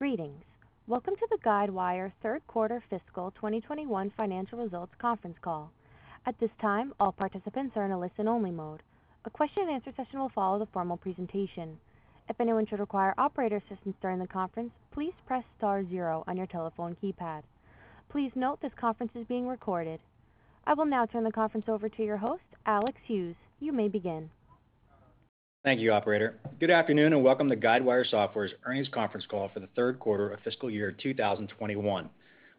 Greetings. Welcome to the Guidewire Third Quarter Fiscal 2021 Financial Results Conference Call. I will now turn the conference over to your host, Alex Hughes. You may begin. Thank you, operator. Good afternoon, and welcome to Guidewire Software's earnings conference call for the third quarter of fiscal year 2021,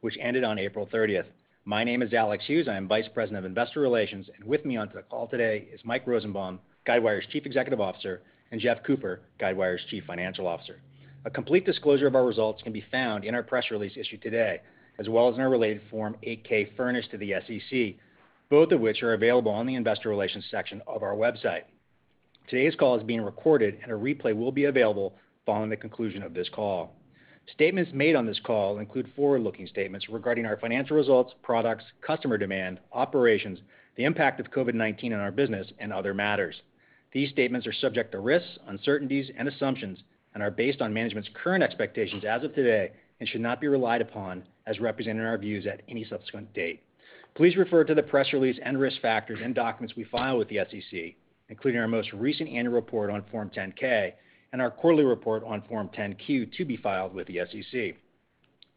which ended on April 30th. My name is Alex Hughes. I am Vice President of Investor Relations, and with me on the call today is Mike Rosenbaum, Guidewire's Chief Executive Officer, and Jeff Cooper, Guidewire's Chief Financial Officer. A complete disclosure of our results can be found in our press release issued today, as well as in our related Form 8-K furnished to the SEC, both of which are available on the investor relations section of our website. Today's call is being recorded, and a replay will be available following the conclusion of this call. Statements made on this call include forward-looking statements regarding our financial results, products, customer demand, operations, the impact of COVID-19 on our business, and other matters. These statements are subject to risks, uncertainties, and assumptions and are based on management's current expectations as of today and should not be relied upon as representing our views at any subsequent date. Please refer to the press release and risk factors and documents we file with the SEC, including our most recent annual report on Form 10-K and our quarterly report on Form 10-Q to be filed with the SEC,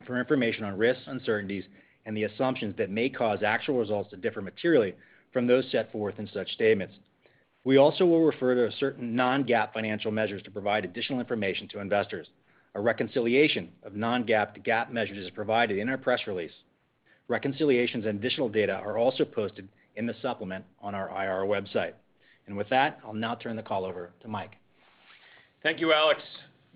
for information on risks, uncertainties, and the assumptions that may cause actual results to differ materially from those set forth in such statements. We also will refer to certain non-GAAP financial measures to provide additional information to investors. A reconciliation of non-GAAP to GAAP measures is provided in our press release. Reconciliations and additional data are also posted in the supplement on our IR website. With that, I'll now turn the call over to Mike. Thank you, Alex.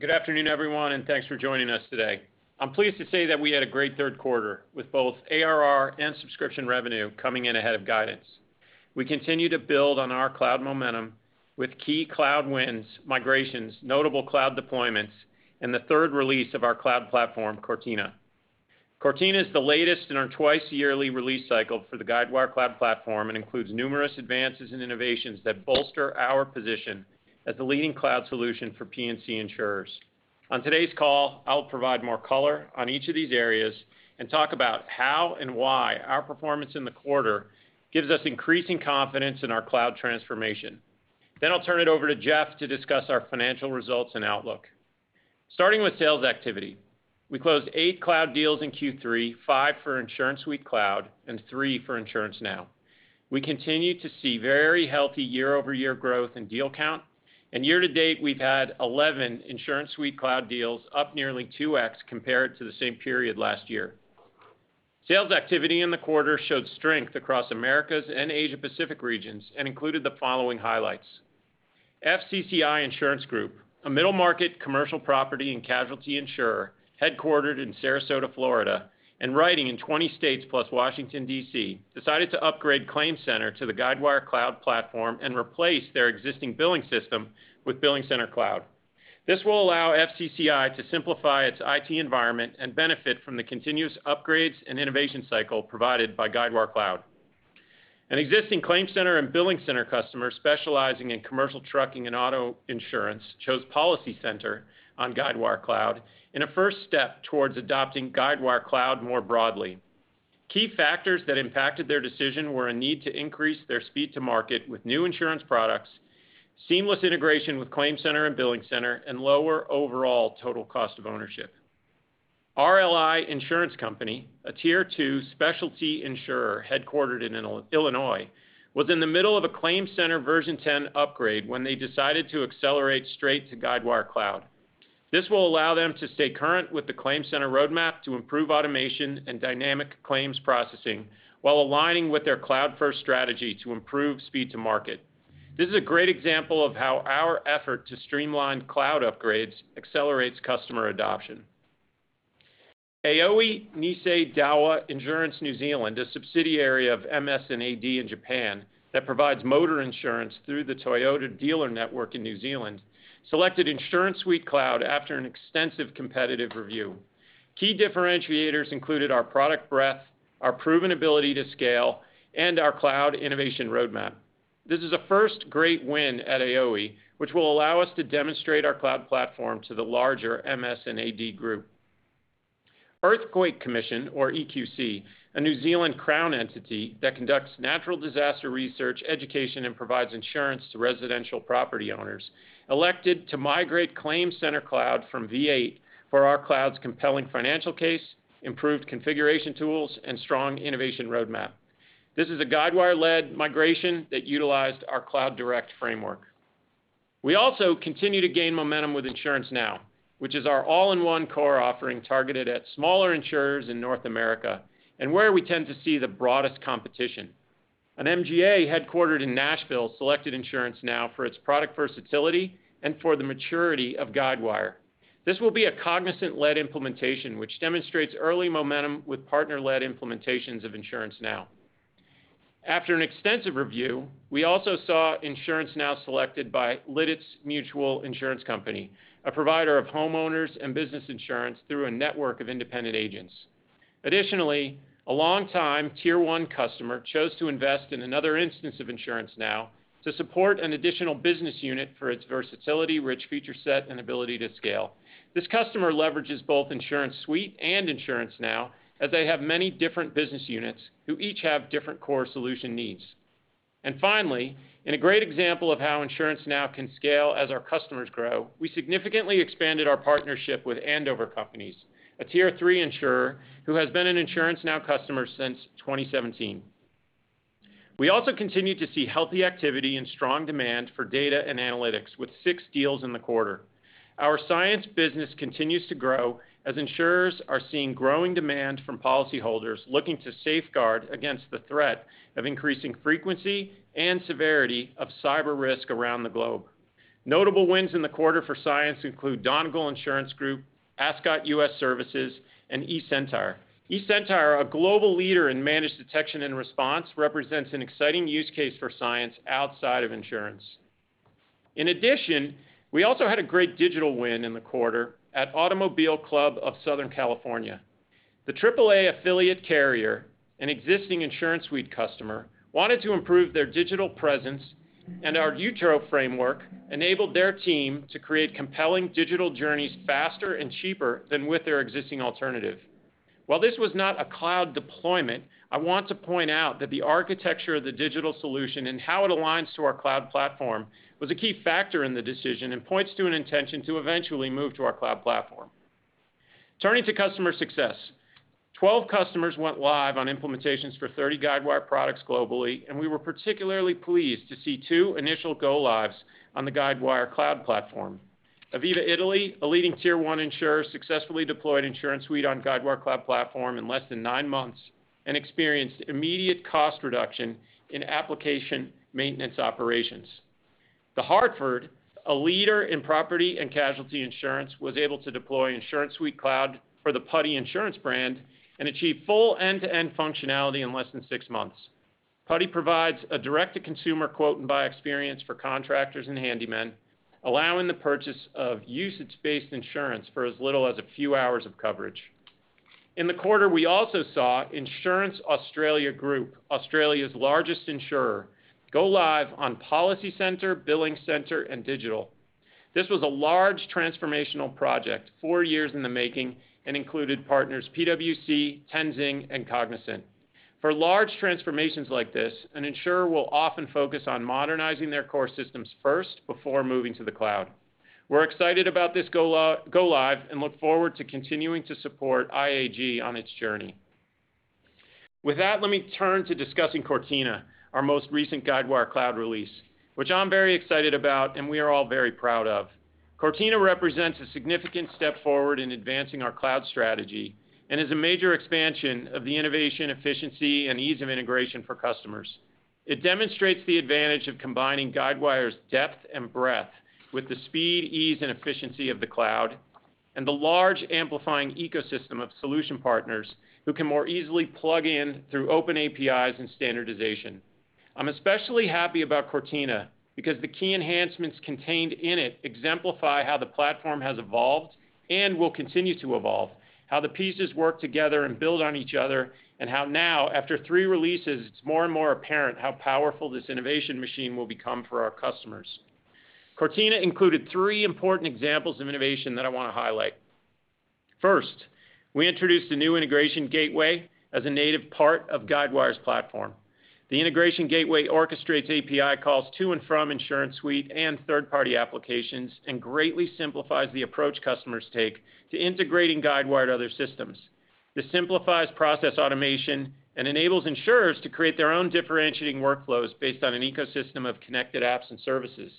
Good afternoon, everyone, and thanks for joining us today. I'm pleased to say that we had a great third quarter with both ARR and subscription revenue coming in ahead of guidance. We continue to build on our cloud momentum with key cloud wins, migrations, notable cloud deployments, and the third release of our Guidewire Cloud Platform, Cortina. Cortina is the latest in our twice-yearly release cycle for the Guidewire Cloud Platform and includes numerous advances and innovations that bolster our position as the leading cloud solution for P&C insurers. On today's call, I'll provide more color on each of these areas and talk about how and why our performance in the quarter gives us increasing confidence in our cloud transformation. I'll turn it over to Jeff to discuss our financial results and outlook. Starting with sales activity, we closed eight cloud deals in Q3, five for InsuranceSuite Cloud and three for InsuranceNow. We continue to see very healthy year-over-year growth in deal count, and year to date, we've had 11 InsuranceSuite Cloud deals, up nearly 2x compared to the same period last year. Sales activity in the quarter showed strength across Americas and Asia Pacific regions and included the following highlights. FCCI Insurance Group, a middle-market commercial property and casualty insurer headquartered in Sarasota, Florida, and writing in 20 states plus Washington, D.C., decided to upgrade ClaimCenter to the Guidewire Cloud Platform and replace their existing billing system with BillingCenter Cloud. This will allow FCCI to simplify its IT environment and benefit from the continuous upgrades and innovation cycle provided by Guidewire Cloud. An existing ClaimCenter and BillingCenter customer specializing in commercial trucking and auto insurance chose PolicyCenter on Guidewire Cloud in a first step towards adopting Guidewire Cloud more broadly. Key factors that impacted their decision were a need to increase their speed to market with new insurance products, seamless integration with ClaimCenter and BillingCenter, and lower overall total cost of ownership. RLI Insurance Company, a Tier 2 specialty insurer headquartered in Illinois, was in the middle of a ClaimCenter version 10 upgrade when they decided to accelerate straight to Guidewire Cloud. This will allow them to stay current with the ClaimCenter roadmap to improve automation and dynamic claims processing while aligning with their cloud-first strategy to improve speed to market. This is a great example of how our effort to streamline cloud upgrades accelerates customer adoption. Aioi Nissay Dowa Insurance New Zealand, a subsidiary of MS&AD in Japan that provides motor insurance through the Toyota dealer network in New Zealand, selected InsuranceSuite Cloud after an extensive competitive review. Key differentiators included our product breadth, our proven ability to scale, and our cloud innovation roadmap. This is a first great win at Aioi, which will allow us to demonstrate our cloud platform to the larger MS&AD Group. Earthquake Commission, or EQC, a New Zealand Crown entity that conducts natural disaster research, education, and provides insurance to residential property owners, elected to migrate ClaimCenter Cloud from V8 for our cloud's compelling financial case, improved configuration tools, and strong innovation roadmap. This is a Guidewire-led migration that utilized our CloudDirect framework. We also continue to gain momentum with InsuranceNow, which is our all-in-one core offering targeted at smaller insurers in North America and where we tend to see the broadest competition. An MGA headquartered in Nashville selected InsuranceNow for its product versatility and for the maturity of Guidewire. This will be a Cognizant-led implementation, which demonstrates early momentum with partner-led implementations of InsuranceNow. After an extensive review, we also saw InsuranceNow selected by Lititz Mutual Insurance Company, a provider of homeowners and business insurance through a network of independent agents. Additionally, a long-time Tier 1 customer chose to invest in another instance of InsuranceNow to support an additional business unit for its versatility, rich feature set, and ability to scale. This customer leverages both InsuranceSuite and InsuranceNow as they have many different business units who each have different core solution needs. Finally, in a great example of how InsuranceNow can scale as our customers grow, we significantly expanded our partnership with The Andover Companies, a Tier 3 insurer who has been an InsuranceNow customer since 2017. We also continued to see healthy activity and strong demand for data and analytics with six deals in the quarter. Our Cyence business continues to grow as insurers are seeing growing demand from policyholders looking to safeguard against the threat of increasing frequency and severity of cyber risk around the globe. Notable wins in the quarter for Cyence include Donegal Insurance Group, Ascot Insurance US, and eSentire. eSentire, a global leader in managed detection and response, represents an exciting use case for Cyence outside of insurance. In addition, we also had a great digital win in the quarter at Automobile Club of Southern California. The AAA affiliate carrier, an existing InsuranceSuite customer, wanted to improve their digital presence, and our Jutro framework enabled their team to create compelling digital journeys faster and cheaper than with their existing alternative. While this was not a cloud deployment, I want to point out that the architecture of the digital solution and how it aligns to our Guidewire Cloud Platform was a key factor in the decision and points to an intention to eventually move to our Guidewire Cloud Platform. Turning to customer success. 12 customers went live on implementations for 30 Guidewire products globally, and we were particularly pleased to see two initial go-lives on the Guidewire Cloud Platform. Aviva Italia, a leading Tier 1 insurer, successfully deployed InsuranceSuite on Guidewire Cloud Platform in less than nine months and experienced immediate cost reduction in application maintenance operations. The Hartford, a leader in property and casualty insurance, was able to deploy InsuranceSuite Cloud for the Prevéa insurance brand and achieve full end-to-end functionality in less than six months. Prevéa provides a direct-to-consumer quote and buy experience for contractors and handymen, allowing the purchase of usage-based insurance for as little as a few hours of coverage. In the quarter, we also saw Insurance Australia Group, Australia's largest insurer, go live on PolicyCenter, BillingCenter, and Digital. This was a large transformational project four years in the making and included partners PwC, Tenzing, and Cognizant. For large transformations like this, an insurer will often focus on modernizing their core systems first before moving to the cloud. We're excited about this go-live and look forward to continuing to support IAG on its journey. With that, let me turn to discussing Cortina, our most recent Guidewire Cloud release, which I'm very excited about and we are all very proud of. Cortina represents a significant step forward in advancing our cloud strategy and is a major expansion of the innovation efficiency and ease of integration for customers. It demonstrates the advantage of combining Guidewire's depth and breadth with the speed, ease, and efficiency of the cloud and the large amplifying ecosystem of solution partners who can more easily plug in through open APIs and standardization. I'm especially happy about Cortina because the key enhancements contained in it exemplify how the platform has evolved and will continue to evolve, how the pieces work together and build on each other, and how now, after three releases, it's more and more apparent how powerful this innovation machine will become for our customers. Cortina included three important examples of innovation that I want to highlight. First, we introduced a new Integration Gateway as a native part of Guidewire's platform. The Integration Gateway orchestrates API calls to and from InsuranceSuite and third-party applications and greatly simplifies the approach customers take to integrating Guidewire to other systems. This simplifies process automation and enables insurers to create their own differentiating workflows based on an ecosystem of connected apps and services.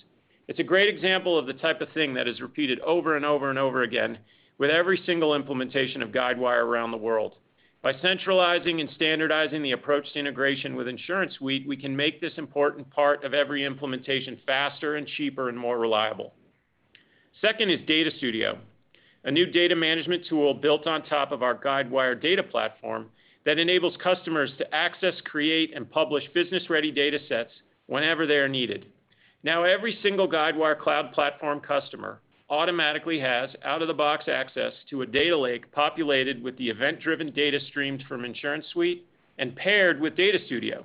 It's a great example of the type of thing that is repeated over and over and over again with every single implementation of Guidewire around the world. By centralizing and standardizing the approach to integration with InsuranceSuite, we can make this important part of every implementation faster and cheaper and more reliable. Second is Data Studio, a new data management tool built on top of our Guidewire data platform that enables customers to access, create, and publish business-ready data sets whenever they are needed. Every single Guidewire Cloud Platform customer automatically has out-of-the-box access to a data lake populated with the event-driven data streams from InsuranceSuite and paired with Data Studio.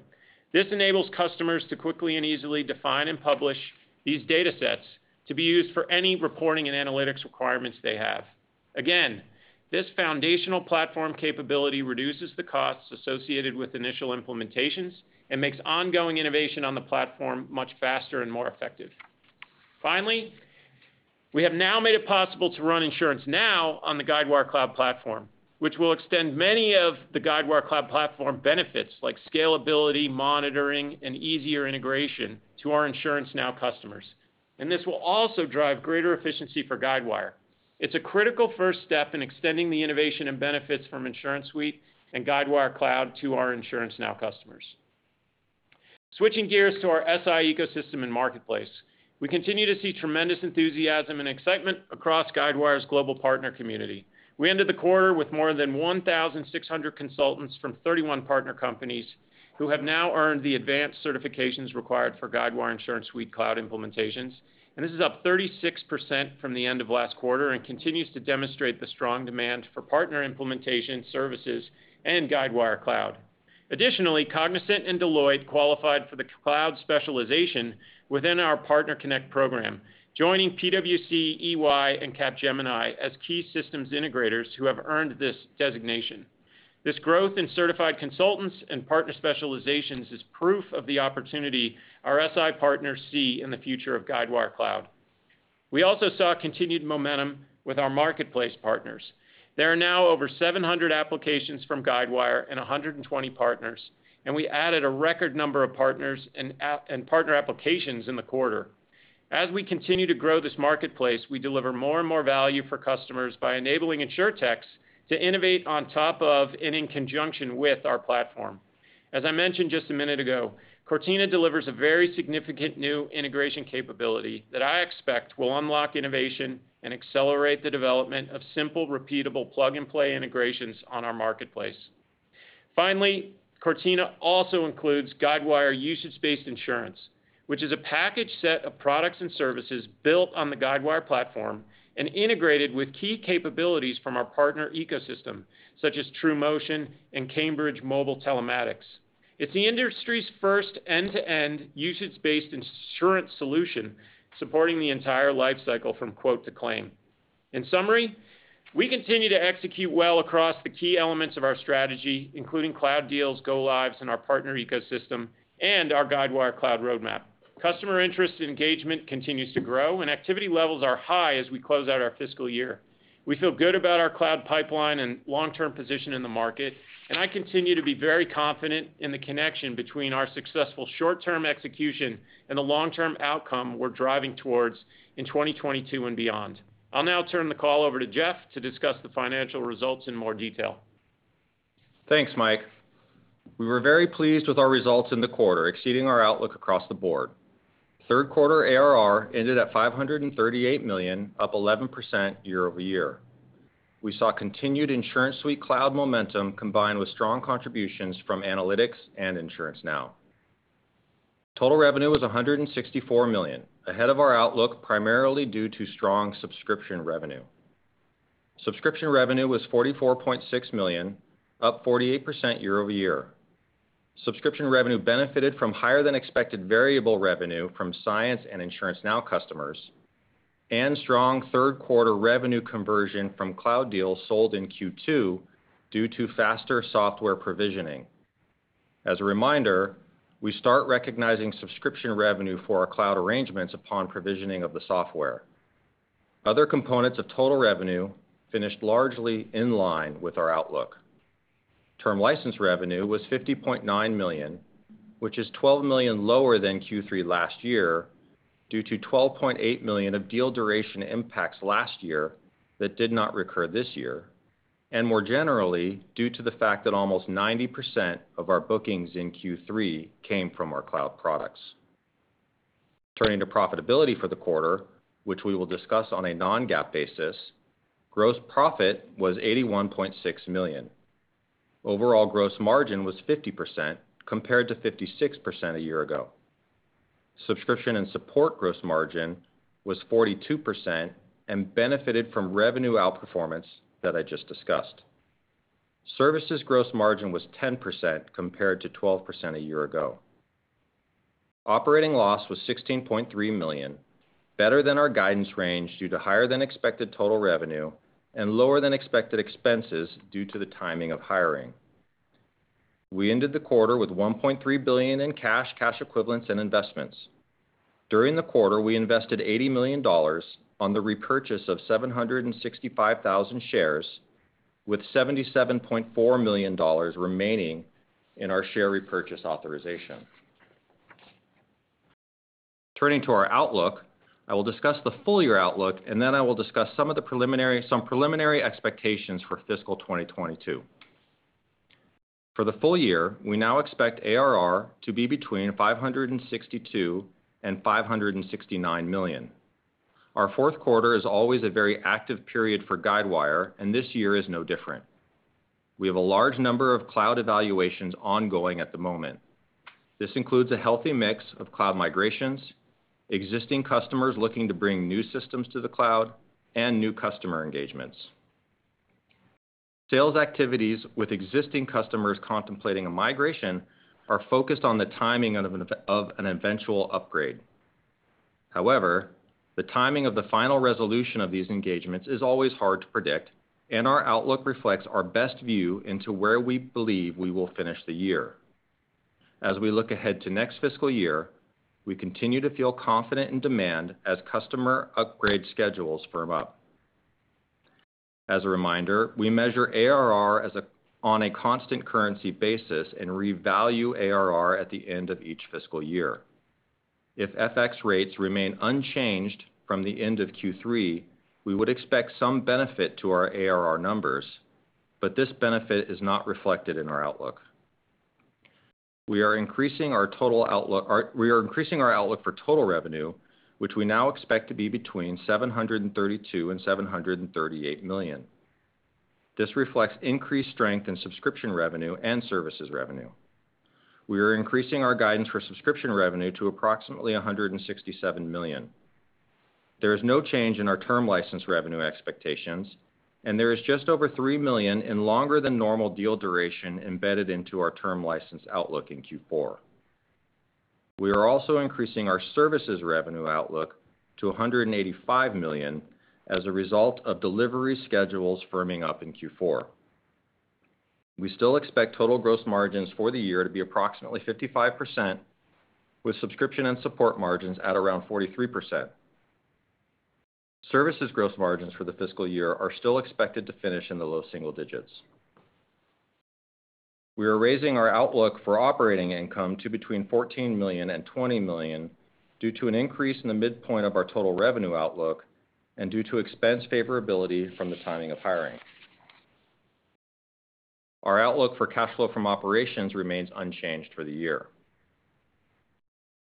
This enables customers to quickly and easily define and publish these data sets to be used for any reporting and analytics requirements they have. This foundational platform capability reduces the costs associated with initial implementations and makes ongoing innovation on the platform much faster and more effective. We have now made it possible to run InsuranceNow on the Guidewire Cloud Platform, which will extend many of the Guidewire Cloud Platform benefits like scalability, monitoring, and easier integration to our InsuranceNow customers. This will also drive greater efficiency for Guidewire. It's a critical first step in extending the innovation and benefits from InsuranceSuite and Guidewire Cloud to our InsuranceNow customers. Switching gears to our SI ecosystem and Marketplace. We continue to see tremendous enthusiasm and excitement across Guidewire's global partner community. We ended the quarter with more than 1,600 consultants from 31 partner companies who have now earned the advanced certifications required for Guidewire InsuranceSuite cloud implementations. This is up 36% from the end of last quarter and continues to demonstrate the strong demand for partner implementation services and Guidewire Cloud. Additionally, Cognizant and Deloitte qualified for the cloud specialization within our PartnerConnect program, joining PwC, EY, and Capgemini as key systems integrators who have earned this designation. This growth in Certified Consultants and partner specializations is proof of the opportunity our SI partners see in the future of Guidewire Cloud. We also saw continued momentum with our Marketplace partners. There are now over 700 applications from Guidewire and 120 partners. We added a record number of partners and partner applications in the quarter. As we continue to grow this Marketplace, we deliver more and more value for customers by enabling insurtechs to innovate on top of and in conjunction with our platform. As I mentioned just a minute ago, Cortina delivers a very significant new integration capability that I expect will unlock innovation and accelerate the development of simple, repeatable plug-and-play integrations on our Marketplace. Finally, Cortina also includes Guidewire Usage-Based Insurance, which is a packaged set of products and services built on the Guidewire platform and integrated with key capabilities from our partner ecosystem, such as TrueMotion and Cambridge Mobile Telematics. It's the industry's first end-to-end usage-based insurance solution supporting the entire lifecycle from quote to claim. In summary, we continue to execute well across the key elements of our strategy, including cloud deals, go-lives, and our partner ecosystem, and our Guidewire Cloud roadmap. Customer interest and engagement continues to grow and activity levels are high as we close out our fiscal year. We feel good about our cloud pipeline and long-term position in the market, and I continue to be very confident in the connection between our successful short-term execution and the long-term outcome we're driving towards in 2022 and beyond. I'll now turn the call over to Jeff to discuss the financial results in more detail. Thanks, Mike. We were very pleased with our results in the quarter, exceeding our outlook across the board. Third quarter ARR ended at $538 million, up 11% year-over-year. We saw continued InsuranceSuite cloud momentum combined with strong contributions from Analytics and InsuranceNow. Total revenue was $164 million, ahead of our outlook primarily due to strong subscription revenue. Subscription revenue was $44.6 million, up 48% year-over-year. Subscription revenue benefited from higher-than-expected variable revenue from Cyence and InsuranceNow customers and strong third quarter revenue conversion from cloud deals sold in Q2 due to faster software provisioning. As a reminder, we start recognizing subscription revenue for our cloud arrangements upon provisioning of the software. Other components of total revenue finished largely in line with our outlook. Term license revenue was $50.9 million, which is $12 million lower than Q3 last year due to $12.8 million of deal duration impacts last year that did not recur this year, and more generally, due to the fact that almost 90% of our bookings in Q3 came from our cloud products. Turning to profitability for the quarter, which we will discuss on a non-GAAP basis, gross profit was $81.6 million. Overall gross margin was 50% compared to 56% a year ago. Subscription and support gross margin was 42% and benefited from revenue outperformance that I just discussed. Services gross margin was 10% compared to 12% a year ago. Operating loss was $16.3 million, better than our guidance range due to higher-than-expected total revenue and lower-than-expected expenses due to the timing of hiring. We ended the quarter with $1.3 billion in cash equivalents, and investments. During the quarter, we invested $80 million on the repurchase of 765,000 shares with $77.4 million remaining in our share repurchase authorization. Turning to our outlook, I will discuss the full-year outlook, and then I will discuss some preliminary expectations for fiscal 2022. For the full year, we now expect ARR to be between $562 million and $569 million. Our fourth quarter is always a very active period for Guidewire, and this year is no different. We have a large number of cloud evaluations ongoing at the moment. This includes a healthy mix of cloud migrations, existing customers looking to bring new systems to the cloud, and new customer engagements. Sales activities with existing customers contemplating a migration are focused on the timing of an eventual upgrade. However, the timing of the final resolution of these engagements is always hard to predict, and our outlook reflects our best view into where we believe we will finish the year. As we look ahead to next fiscal year, we continue to feel confident in demand as customer upgrade schedules firm up. As a reminder, we measure ARR on a constant currency basis and revalue ARR at the end of each fiscal year. If FX rates remain unchanged from the end of Q3, we would expect some benefit to our ARR numbers, but this benefit is not reflected in our outlook. We are increasing our outlook for total revenue, which we now expect to be between $732 million and $738 million. This reflects increased strength in subscription revenue and services revenue. We are increasing our guidance for subscription revenue to approximately $167 million. There is no change in our term license revenue expectations, and there is just over $3 million in longer than normal deal duration embedded into our term license outlook in Q4. We are also increasing our services revenue outlook to $185 million as a result of delivery schedules firming up in Q4. We still expect total gross margins for the year to be approximately 55%, with subscription and support margins at around 43%. Services gross margins for the fiscal year are still expected to finish in the low single digits. We are raising our outlook for operating income to between $14 million and $20 million due to an increase in the midpoint of our total revenue outlook and due to expense favorability from the timing of hiring. Our outlook for cash flow from operations remains unchanged for the year.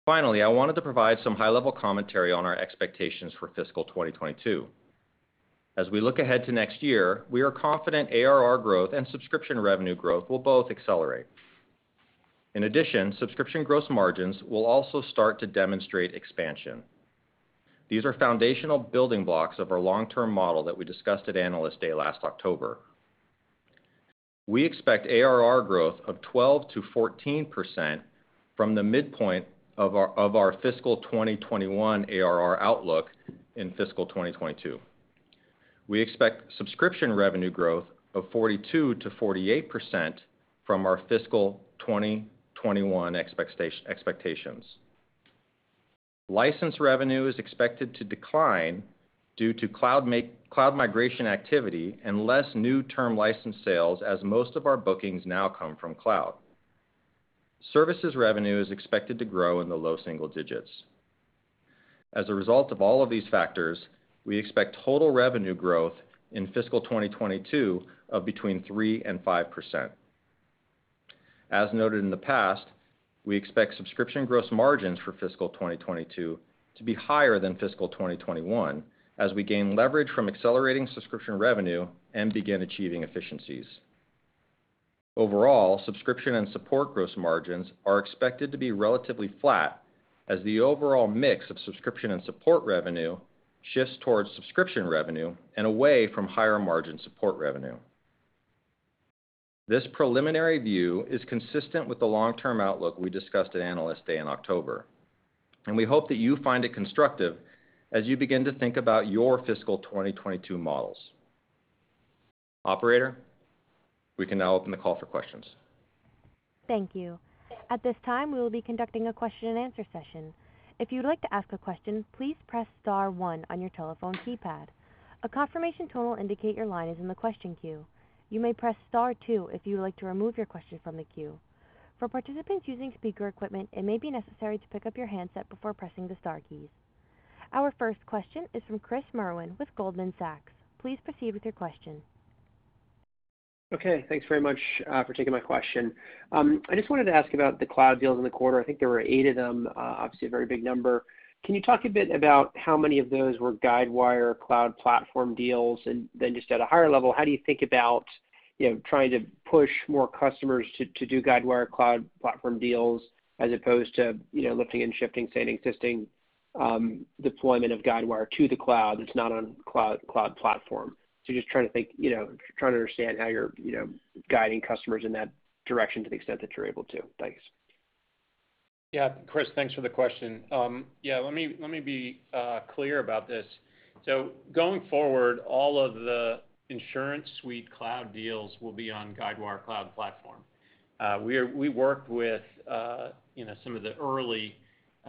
Finally, I wanted to provide some high-level commentary on our expectations for fiscal 2022. As we look ahead to next year, we are confident ARR growth and subscription revenue growth will both accelerate. In addition, subscription gross margins will also start to demonstrate expansion. These are foundational building blocks of our long-term model that we discussed at Analyst Day last October. We expect ARR growth of 12%-14% from the midpoint of our fiscal 2021 ARR outlook in fiscal 2022. We expect subscription revenue growth of 42%-48% from our fiscal 2021 expectations. License revenue is expected to decline due to cloud migration activity and less new term license sales, as most of our bookings now come from cloud. Services revenue is expected to grow in the low single digits. As a result of all of these factors, we expect total revenue growth in fiscal 2022 of between 3% and 5%. As noted in the past, we expect subscription gross margins for fiscal 2022 to be higher than fiscal 2021 as we gain leverage from accelerating subscription revenue and begin achieving efficiencies. Overall, subscription and support gross margins are expected to be relatively flat as the overall mix of subscription and support revenue shifts towards subscription revenue and away from higher margin support revenue. This preliminary view is consistent with the long-term outlook we discussed at Analyst Day in October. We hope that you find it constructive as you begin to think about your fiscal 2022 models. Operator, we can now open the call for questions. Thank you. At this time, we will be conducting a question-and-answer session. If you'd like to ask a question, please press star 1 on your telephone keypad. A confirmation tone will indicate your line is in the question queue. You may press star 2 if you would like to remove your question from the queue. For participants using speaker equipment, it may be necessary to pick up your handset before pressing the star keys. Our first question is from Chris Merwin with Goldman Sachs. Please proceed with your question. Okay. Thanks very much for taking my question. I just wanted to ask about the cloud deals in the quarter. I think there were eight of them. Obviously, a very big number. Can you talk a bit about how many of those were Guidewire Cloud Platform deals? Just at a higher level, how do you think about trying to push more customers to do Guidewire Cloud Platform deals as opposed to lifting and shifting, say, an existing deployment of Guidewire to the cloud that's not on Cloud Platform. Just trying to understand how you're guiding customers in that direction to the extent that you're able to. Thanks. Chris, thanks for the question. Let me be clear about this. Going forward, all of the InsuranceSuite Cloud deals will be on Guidewire Cloud Platform. We worked with some of the early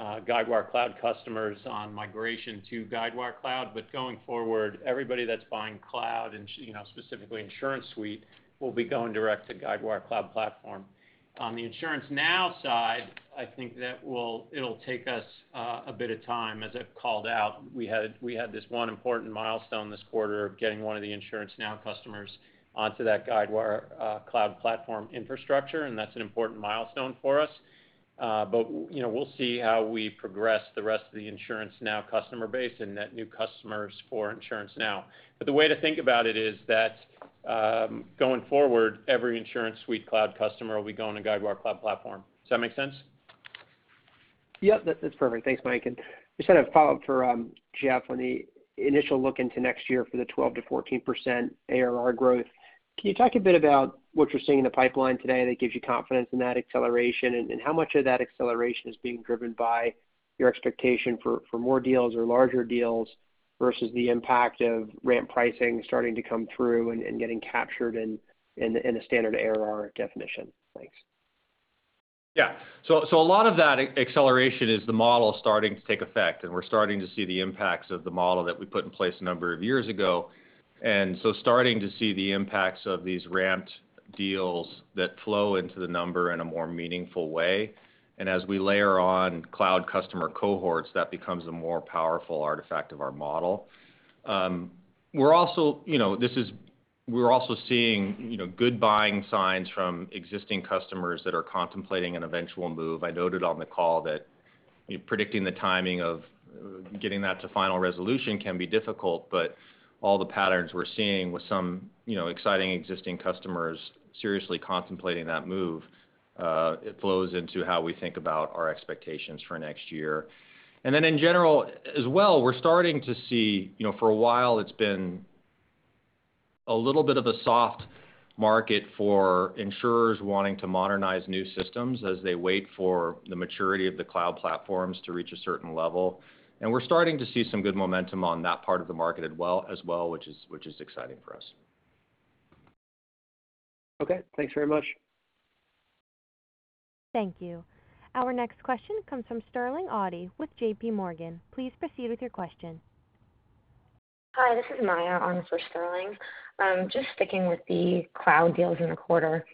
Guidewire Cloud customers on migration to Guidewire Cloud. Going forward, everybody that's buying cloud and specifically InsuranceSuite will be going direct to Guidewire Cloud Platform. On the InsuranceNow side, I think that it'll take us a bit of time, as I've called out. We had this one important milestone this quarter of getting one of the InsuranceNow customers onto that Guidewire Cloud Platform infrastructure, and that's an important milestone for us. We'll see how we progress the rest of the InsuranceNow customer base and net new customers for InsuranceNow. The way to think about it is that going forward, every InsuranceSuite Cloud customer will be going on Guidewire Cloud Platform. Does that make sense? Yep. That's perfect. Thanks, Mike. Just kind of follow up for Jeff on the initial look into next year for the 12%-14% ARR growth. Can you talk a bit about what you're seeing in the pipeline today that gives you confidence in that acceleration, and how much of that acceleration is being driven by your expectation for more deals or larger deals versus the impact of ramp pricing starting to come through and getting captured in a standard ARR definition? Thanks. Yeah. A lot of that acceleration is the model starting to take effect, and we're starting to see the impacts of the model that we put in place a number of years ago. Starting to see the impacts of these ramped deals that flow into the number in a more meaningful way. As we layer on cloud customer cohorts, that becomes a more powerful artifact of our model. We're also seeing good buying signs from existing customers that are contemplating an eventual move. I noted on the call that predicting the timing of getting that to final resolution can be difficult, but all the patterns we're seeing with some exciting existing customers seriously contemplating that move, it flows into how we think about our expectations for next year. In general as well, we're starting to see, for a while it's been a little bit of a soft market for insurers wanting to modernize new systems as they wait for the maturity of the cloud platforms to reach a certain level. We're starting to see some good momentum on that part of the market as well, which is exciting for us. Okay. Thanks very much. Thank you. Our next question comes from Sterling Auty with J.P. Morgan. Please proceed with your question. Hi, this is Maya on for Sterling. Just sticking with the Cloud deals in the quarter,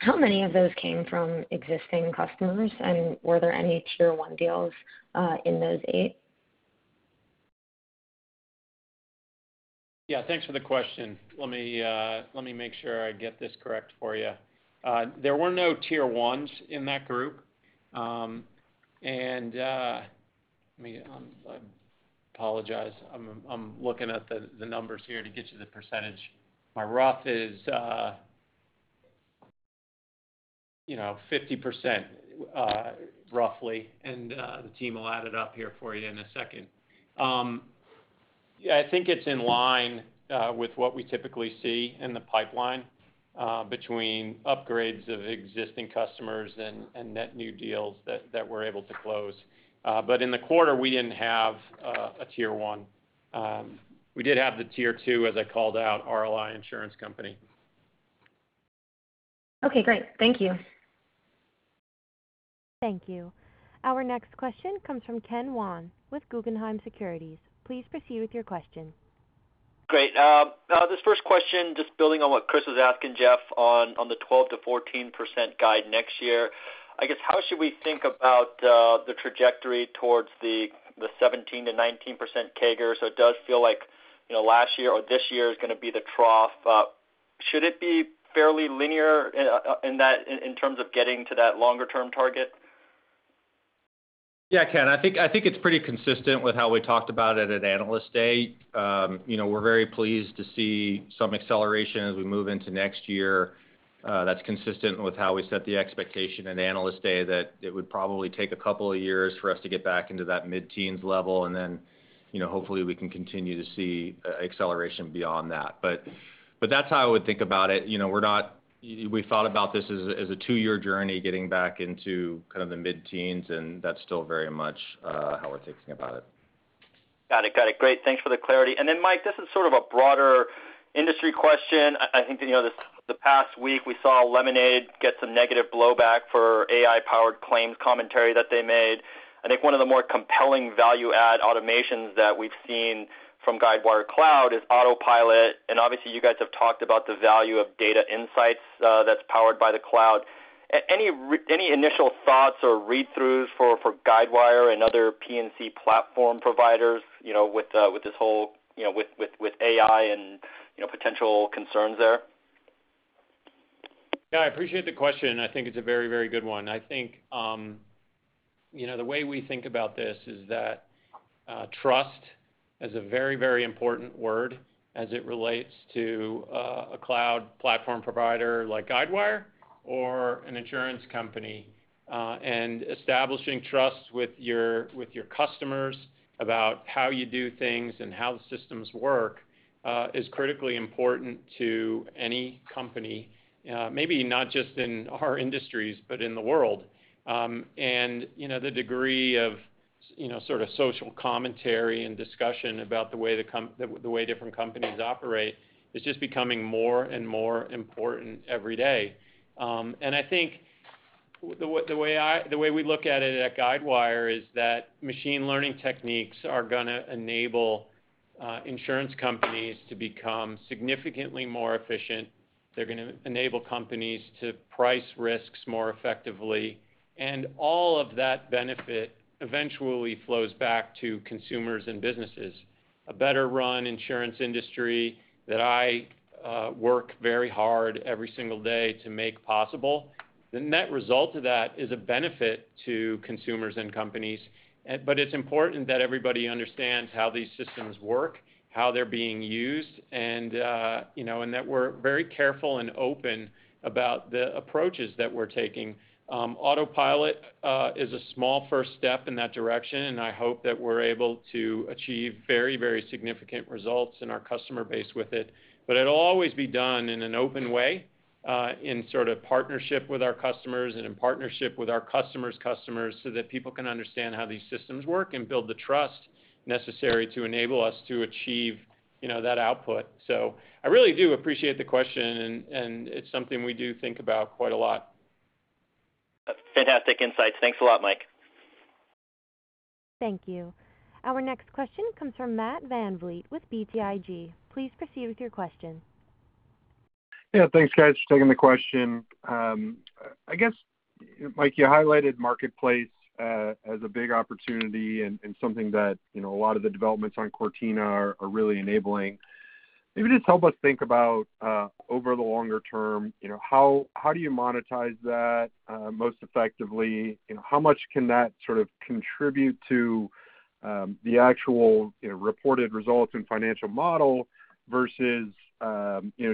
how many of those came from existing customers, and were there any Tier 1 deals in those eight? Yeah, thanks for the question. Let me make sure I get this correct for you. There were no Tier 1s in that group. Let me, I apologize. I'm looking at the numbers here to get you the percentage. My rough is 50%, roughly. The team will add it up here for you in a second. I think it's in line with what we typically see in the pipeline between upgrades of existing customers and net new deals that we're able to close. In the quarter, we didn't have a Tier 1. We did have the Tier 2, as I called out, RLI Insurance Company. Okay, great. Thank you. Thank you. Our next question comes from Ken Wong with Guggenheim Securities. Please proceed with your question. Great. This first question, just building on what Chris was asking, Jeff, on the 12%-14% guide next year. I guess, how should we think about the trajectory towards the 17%-19% CAGR? It does feel like last year or this year is going to be the trough. Should it be fairly linear in terms of getting to that longer-term target? Yeah, Ken. I think it's pretty consistent with how we talked about it at Analyst Day. We're very pleased to see some acceleration as we move into next year. That's consistent with how we set the expectation at Analyst Day that it would probably take a couple of years for us to get back into that mid-teens level. Hopefully we can continue to see acceleration beyond that. That's how I would think about it. We thought about this as a two-year journey getting back into kind of the mid-teens. That's still very much how we're thinking about it. Got it. Great. Thanks for the clarity. Then Mike, this is sort of a broader industry question. I think the past week we saw Lemonade get some negative blowback for AI-powered claims commentary that they made. I think one of the more compelling value-add automations that we've seen from Guidewire Cloud is Autopilot. Obviously you guys have talked about the value of data insights that's powered by the cloud. Any initial thoughts or read-throughs for Guidewire and other P&C platform providers with AI and potential concerns there? I appreciate the question. I think it's a very, very good one. The way we think about this is that trust is a very, very important word as it relates to a cloud platform provider like Guidewire or an insurance company. Establishing trust with your customers about how you do things and how the systems work is critically important to any company maybe not just in our industries, but in the world. The degree of sort of social commentary and discussion about the way different companies operate is just becoming more and more important every day. I think the way we look at it at Guidewire is that machine learning techniques are going to enable insurance companies to become significantly more efficient. They're going to enable companies to price risks more effectively. All of that benefit eventually flows back to consumers and businesses. A better-run insurance industry that I work very hard every single day to make possible. The net result of that is a benefit to consumers and companies, but it's important that everybody understands how these systems work, how they're being used, and that we're very careful and open about the approaches that we're taking. Autopilot is a small first step in that direction, and I hope that we're able to achieve very, very significant results in our customer base with it. It'll always be done in an open way, in sort of partnership with our customers and in partnership with our customers' customers so that people can understand how these systems work and build the trust necessary to enable us to achieve that output. I really do appreciate the question, and it's something we do think about quite a lot. Fantastic insights. Thanks a lot, Mike. Thank you. Our next question comes from Matt VanVleet with BTIG. Please proceed with your question. Yeah. Thanks, guys, for taking the question. I guess, Mike, you highlighted Marketplace as a big opportunity and something that a lot of the developments on Cortina are really enabling. Maybe just help us think about, over the longer term, how do you monetize that most effectively? How much can that sort of contribute to the actual reported results and financial model versus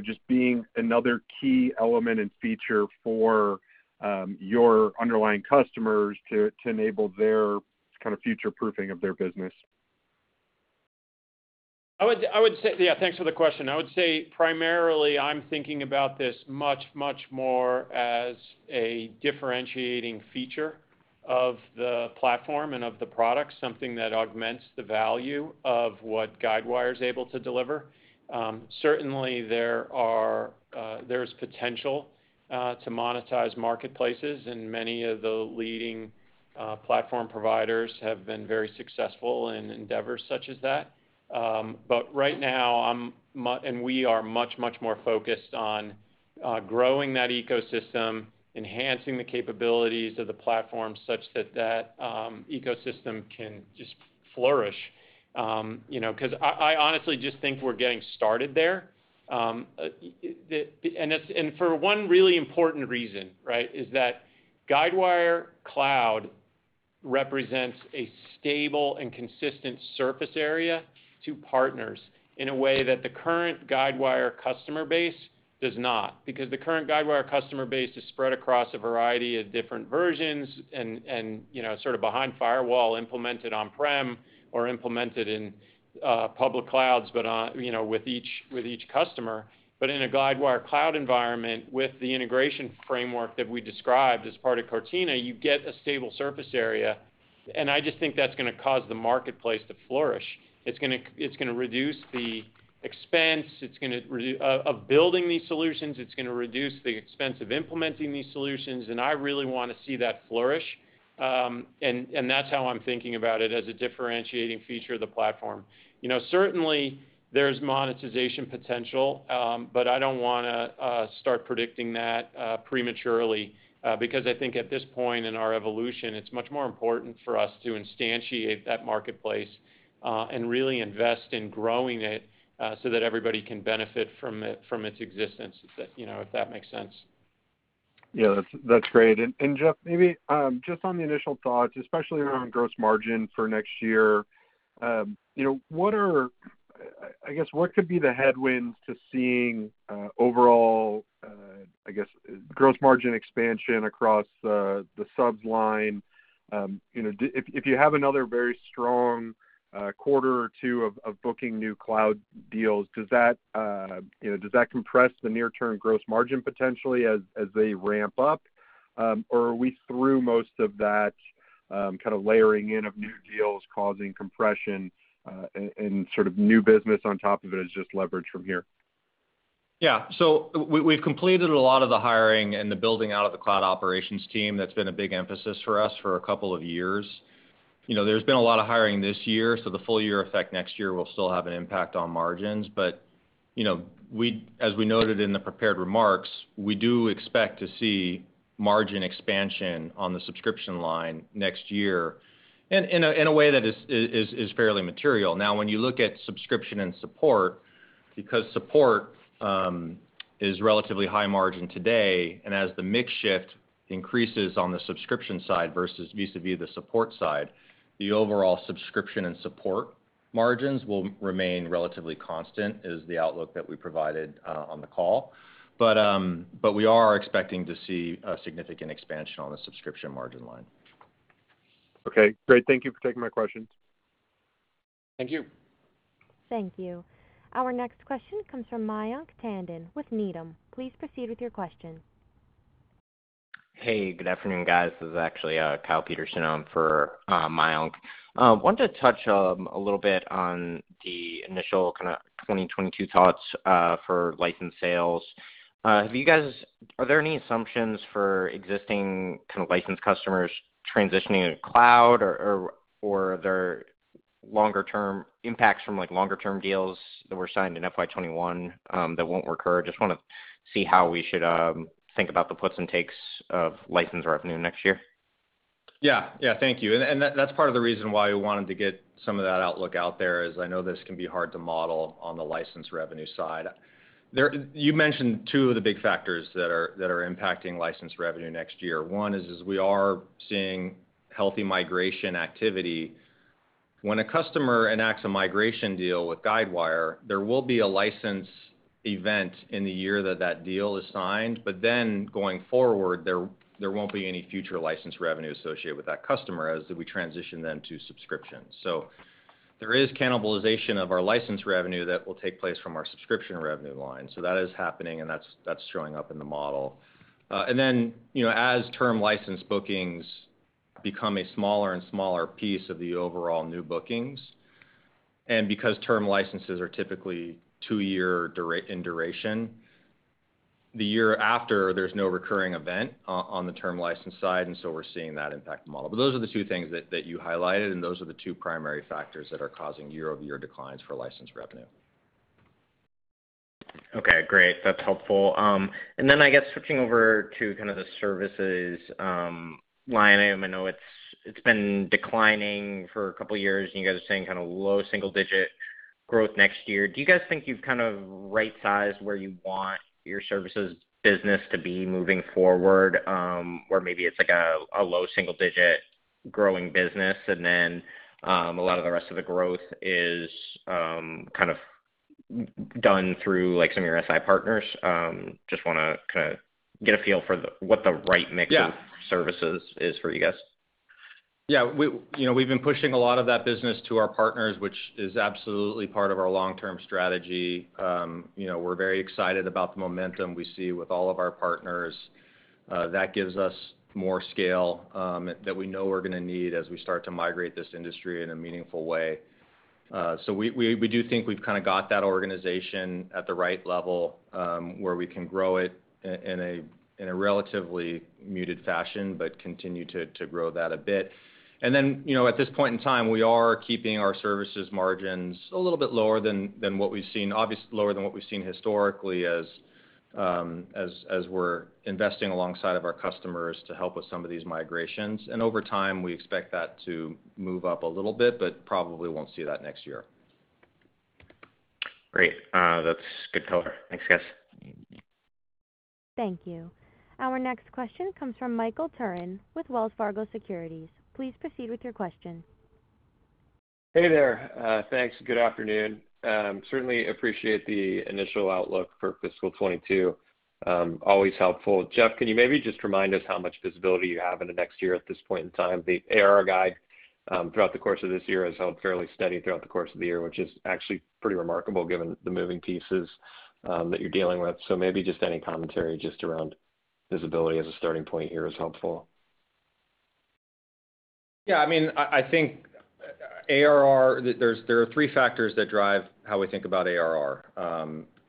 just being another key element and feature for your underlying customers to enable their future-proofing of their business? Yeah. Thanks for the question. I would say primarily I'm thinking about this much, much more as a differentiating feature of the platform and of the product, something that augments the value of what Guidewire's able to deliver. Certainly, there's potential to monetize marketplaces. Many of the leading platform providers have been very successful in endeavors such as that. Right now, we are much, much more focused on growing that ecosystem, enhancing the capabilities of the platform such that ecosystem can just flourish. I honestly just think we're getting started there. For one really important reason, is that Guidewire Cloud represents a stable and consistent surface area to partners in a way that the current Guidewire customer base does not. Because the current Guidewire customer base is spread across a variety of different versions and sort of behind firewall implemented on-prem or implemented in public clouds, with each customer. In a Guidewire Cloud environment, with the integration framework that we described as part of Cortina, you get a stable surface area, and I just think that's going to cause the marketplace to flourish. It's going to reduce the expense of building these solutions. It's going to reduce the expense of implementing these solutions, and I really want to see that flourish. That's how I'm thinking about it as a differentiating feature of the platform. Certainly, there's monetization potential, but I don't want to start predicting that prematurely because I think at this point in our evolution, it's much more important for us to instantiate that Guidewire Marketplace, and really invest in growing it, so that everybody can benefit from its existence, if that makes sense. Yeah. That's great. Jeff, maybe just on the initial thoughts, especially around gross margin for next year. What could be the headwinds to seeing overall gross margin expansion across the subs line? If you have another very strong quarter or two of booking new cloud deals, does that compress the near-term gross margin potentially as they ramp up? Are we through most of that kind of layering in of new deals causing compression, and sort of new business on top of it is just leverage from here? Yeah. We've completed a lot of the hiring and the building out of the cloud operations team. That's been a big emphasis for us for a couple of years. There's been a lot of hiring this year, the full-year effect next year will still have an impact on margins. As we noted in the prepared remarks, we do expect to see margin expansion on the subscription line next year in a way that is fairly material. When you look at subscription and support, because support is relatively high margin today, and as the mix shift increases on the subscription side vis-à-vis the support side, the overall subscription and support margins will remain relatively constant is the outlook that we provided on the call. We are expecting to see a significant expansion on the subscription margin line. Okay. Great. Thank you for taking my questions. Thank you. Thank you. Our next question comes from Mayank Tandon with Needham. Please proceed with your question. Hey, good afternoon, guys. This is actually Kyle Peterson on for Mayank. Wanted to touch a little bit on the initial kind of 2022 thoughts for licensed sales. Are there any assumptions for existing kind of licensed customers transitioning to cloud or are there impacts from longer-term deals that were signed in FY 2021 that won't recur? Just want to see how we should think about the puts and takes of license revenue next year. Yeah. Thank you. That's part of the reason why we wanted to get some of that outlook out there is I know this can be hard to model on the license revenue side. You mentioned two of the big factors that are impacting license revenue next year. One is we are seeing healthy migration activity. When a customer enacts a migration deal with Guidewire, there will be a license event in the year that that deal is signed. Going forward, there won't be any future license revenue associated with that customer as we transition them to subscriptions. There is cannibalization of our license revenue that will take place from our subscription revenue line. That is happening, and that's showing up in the model. As term license bookings become a smaller and smaller piece of the overall new bookings, and because term licenses are typically two-year in duration, The year after, there's no recurring event on the term license side, we're seeing that impact the model. Those are the two things that you highlighted, and those are the two primary factors that are causing year-over-year declines for license revenue. Okay, great. That's helpful. Then I guess switching over to kind of the services line item. I know it's been declining for a couple of years, and you guys are saying kind of low single-digit growth next year. Do you guys think you've kind of right-sized where you want your services business to be moving forward? Or maybe it's like a low single-digit growing business, and then a lot of the rest of the growth is kind of done through some of your SI partners? Just want to kind of get a feel for what the right- Yeah mix of services is for you guys. Yeah. We've been pushing a lot of that business to our partners, which is absolutely part of our long-term strategy. We're very excited about the momentum we see with all of our partners. That gives us more scale that we know we're going to need as we start to migrate this industry in a meaningful way. We do think we've kind of got that organization at the right level, where we can grow it in a relatively muted fashion, but continue to grow that a bit. At this point in time, we are keeping our services margins a little bit lower, obviously lower than what we've seen historically as we're investing alongside of our customers to help with some of these migrations. Over time, we expect that to move up a little bit, but probably won't see that next year. Great. That's good color. Thanks, guys. Thank you. Our next question comes from Michael Turrin with Wells Fargo Securities. Please proceed with your question. Hey there. Thanks, good afternoon. Certainly appreciate the initial outlook for fiscal 2022. Always helpful. Jeff, can you maybe just remind us how much visibility you have into next year at this point in time? The ARR guide throughout the course of this year has held fairly steady throughout the course of the year, which is actually pretty remarkable given the moving pieces that you're dealing with. Maybe just any commentary just around visibility as a starting point here is helpful. Yeah, I think ARR. There are three factors that drive how we think about ARR.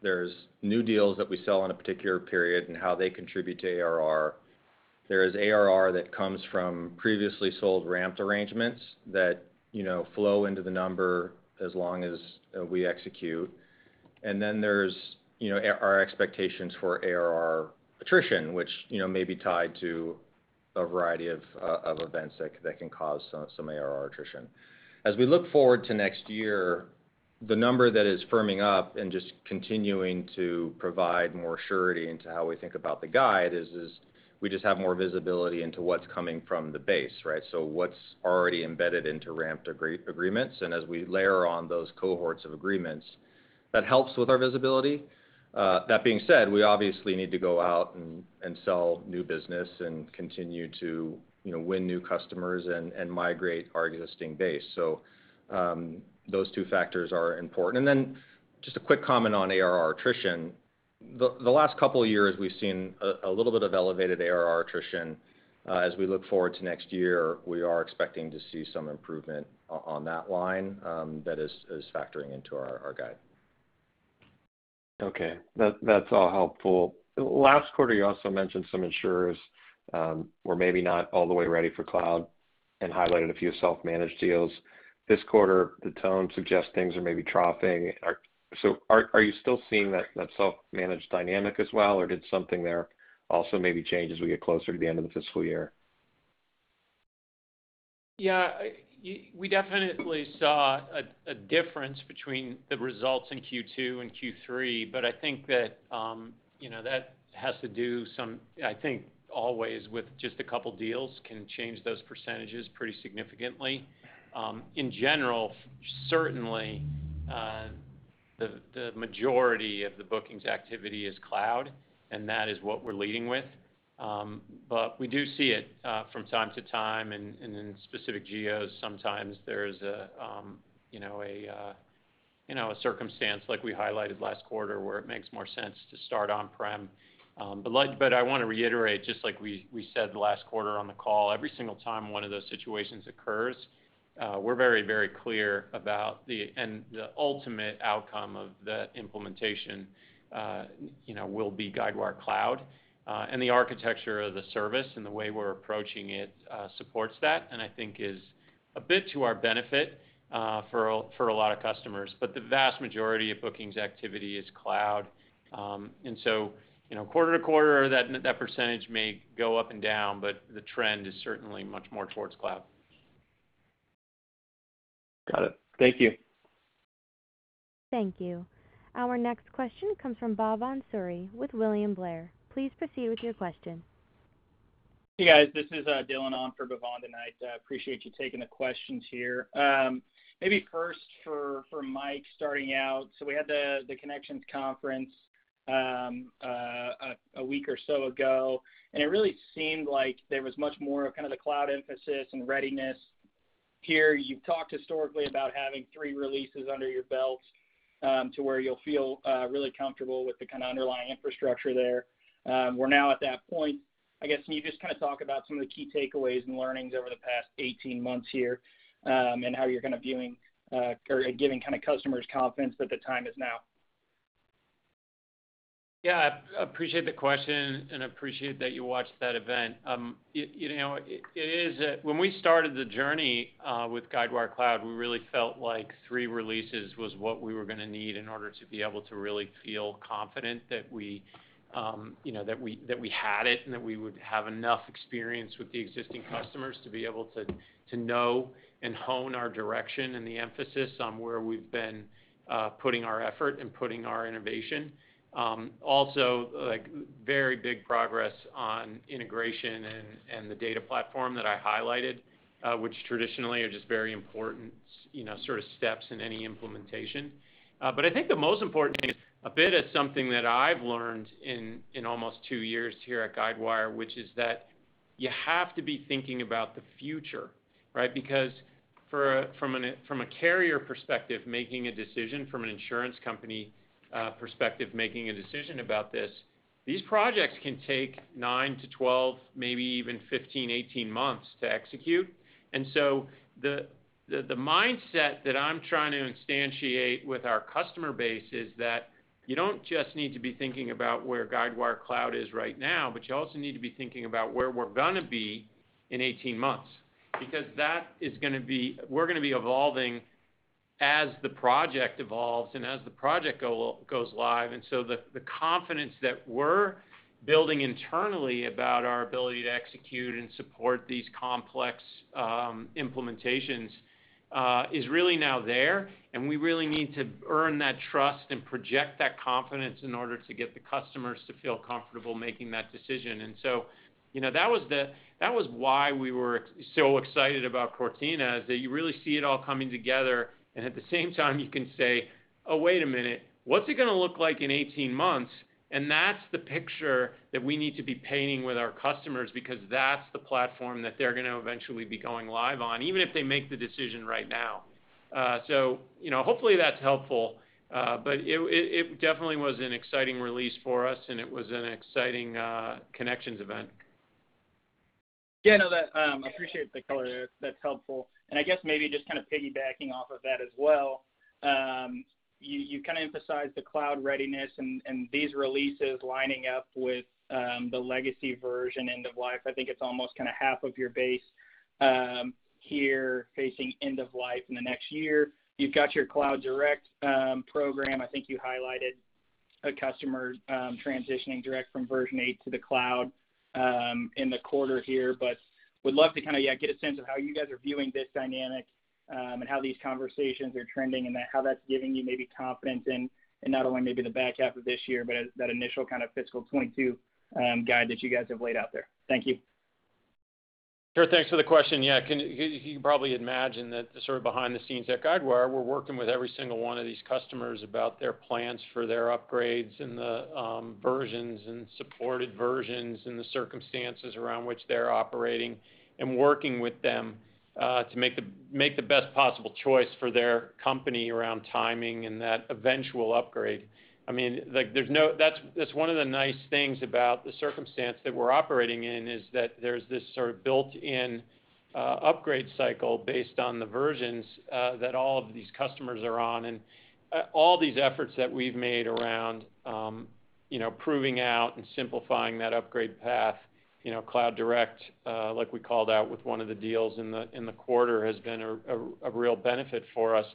There's new deals that we sell in a particular period and how they contribute to ARR. There is ARR that comes from previously sold ramped arrangements that flow into the number as long as we execute. Then there's our expectations for ARR attrition, which may be tied to a variety of events that can cause some ARR attrition. As we look forward to next year, the number that is firming up and just continuing to provide more surety into how we think about the guide is, we just have more visibility into what's coming from the base, right? What's already embedded into ramped agreements, and as we layer on those cohorts of agreements, that helps with our visibility. That being said, we obviously need to go out and sell new business and continue to win new customers and migrate our existing base. Those two factors are important. Just a quick comment on ARR attrition. The last couple of years, we've seen a little bit of elevated ARR attrition. As we look forward to next year, we are expecting to see some improvement on that line that is factoring into our guide. Okay. That's all helpful. Last quarter, you also mentioned some insurers were maybe not all the way ready for Cloud and highlighted a few self-managed deals. This quarter, the tone suggests things are maybe troughing. Are you still seeing that self-managed dynamic as well, or did something there also maybe change as we get closer to the end of the fiscal year? Yeah. We definitely saw a difference between the results in Q2 and Q3, but I think that has to do I think always with just a couple deals can change those percentages pretty significantly. In general, certainly, the majority of the bookings activity is cloud, and that is what we're leading with. We do see it from time to time, and in specific geos, sometimes there's a circumstance like we highlighted last quarter where it makes more sense to start on-prem. I want to reiterate, just like we said last quarter on the call, every single time one of those situations occurs, we're very clear about The ultimate outcome of that implementation will be Guidewire Cloud. The architecture of the service and the way we're approaching it supports that, and I think is a bit to our benefit for a lot of customers. The vast majority of bookings activity is cloud. Quarter to quarter, that percentage may go up and down, but the trend is certainly much more towards cloud. Got it. Thank you. Thank you. Our next question comes from Bhavan Suri with William Blair. Please proceed with your question. Hey, guys. This is Dylan on for Bhavan tonight. Appreciate you taking the questions here. Maybe first for Mike starting out. We had the Connections conference a week or so ago, and it really seemed like there was much more of kind of the Cloud emphasis and readiness here. You've talked historically about having three releases under your belt to where you'll feel really comfortable with the kind of underlying infrastructure there. We're now at that point. I guess can you just kind of talk about some of the key takeaways and learnings over the past 18 months here, and how you're kind of viewing or giving kind of customers confidence that the time is now? I appreciate the question, and appreciate that you watched that event. When we started the journey with Guidewire Cloud, we really felt like three releases was what we were going to need in order to be able to really feel confident that we had it, and that we would have enough experience with the existing customers to be able to know and hone our direction and the emphasis on where we've been putting our effort and putting our innovation. Very big progress on integration and the data platform that I highlighted, which traditionally are just very important sort of steps in any implementation. I think the most important thing, a bit is something that I've learned in almost two years here at Guidewire, which is that you have to be thinking about the future, right? From a carrier perspective, making a decision from an insurance company perspective, making a decision about this, these projects can take 9-12 months, maybe even 15, 18 months to execute. The mindset that I'm trying to instantiate with our customer base is that you don't just need to be thinking about where Guidewire Cloud is right now, but you also need to be thinking about where we're going to be in 18 months. We're going to be evolving as the project evolves and as the project goes live. The confidence that we're building internally about our ability to execute and support these complex implementations is really now there, and we really need to earn that trust and project that confidence in order to get the customers to feel comfortable making that decision. That was why we were so excited about Cortina, is that you really see it all coming together, and at the same time you can say, "Oh, wait a minute. What's it going to look like in 18 months?" That's the picture that we need to be painting with our customers, because that's the platform that they're going to eventually be going live on, even if they make the decision right now. Hopefully that's helpful. It definitely was an exciting release for us, and it was an exciting Connections event. Yeah, no, I appreciate the color there. That's helpful. I guess maybe just kind of piggybacking off of that as well, you kind of emphasized the cloud readiness and these releases lining up with the legacy version end of life. I think it's almost kind of half of your base here facing end of life in the next year. You've got your CloudDirect program. I think you highlighted a customer transitioning direct from version eight to the cloud in the quarter here. Would love to kind of, yeah, get a sense of how you guys are viewing this dynamic, and how these conversations are trending, and how that's giving you maybe confidence in not only maybe the back half of this year, but that initial kind of fiscal 2022 guide that you guys have laid out there. Thank you. Sure. Thanks for the question. Yeah, you can probably imagine that sort of behind the scenes at Guidewire, we're working with every single one of these customers about their plans for their upgrades and the versions and supported versions and the circumstances around which they're operating, and working with them to make the best possible choice for their company around timing and that eventual upgrade. That's one of the nice things about the circumstance that we're operating in, is that there's this sort of built-in upgrade cycle based on the versions that all of these customers are on. All these efforts that we've made around proving out and simplifying that upgrade path, CloudDirect, like we called out with one of the deals in the quarter, has been a real benefit for us.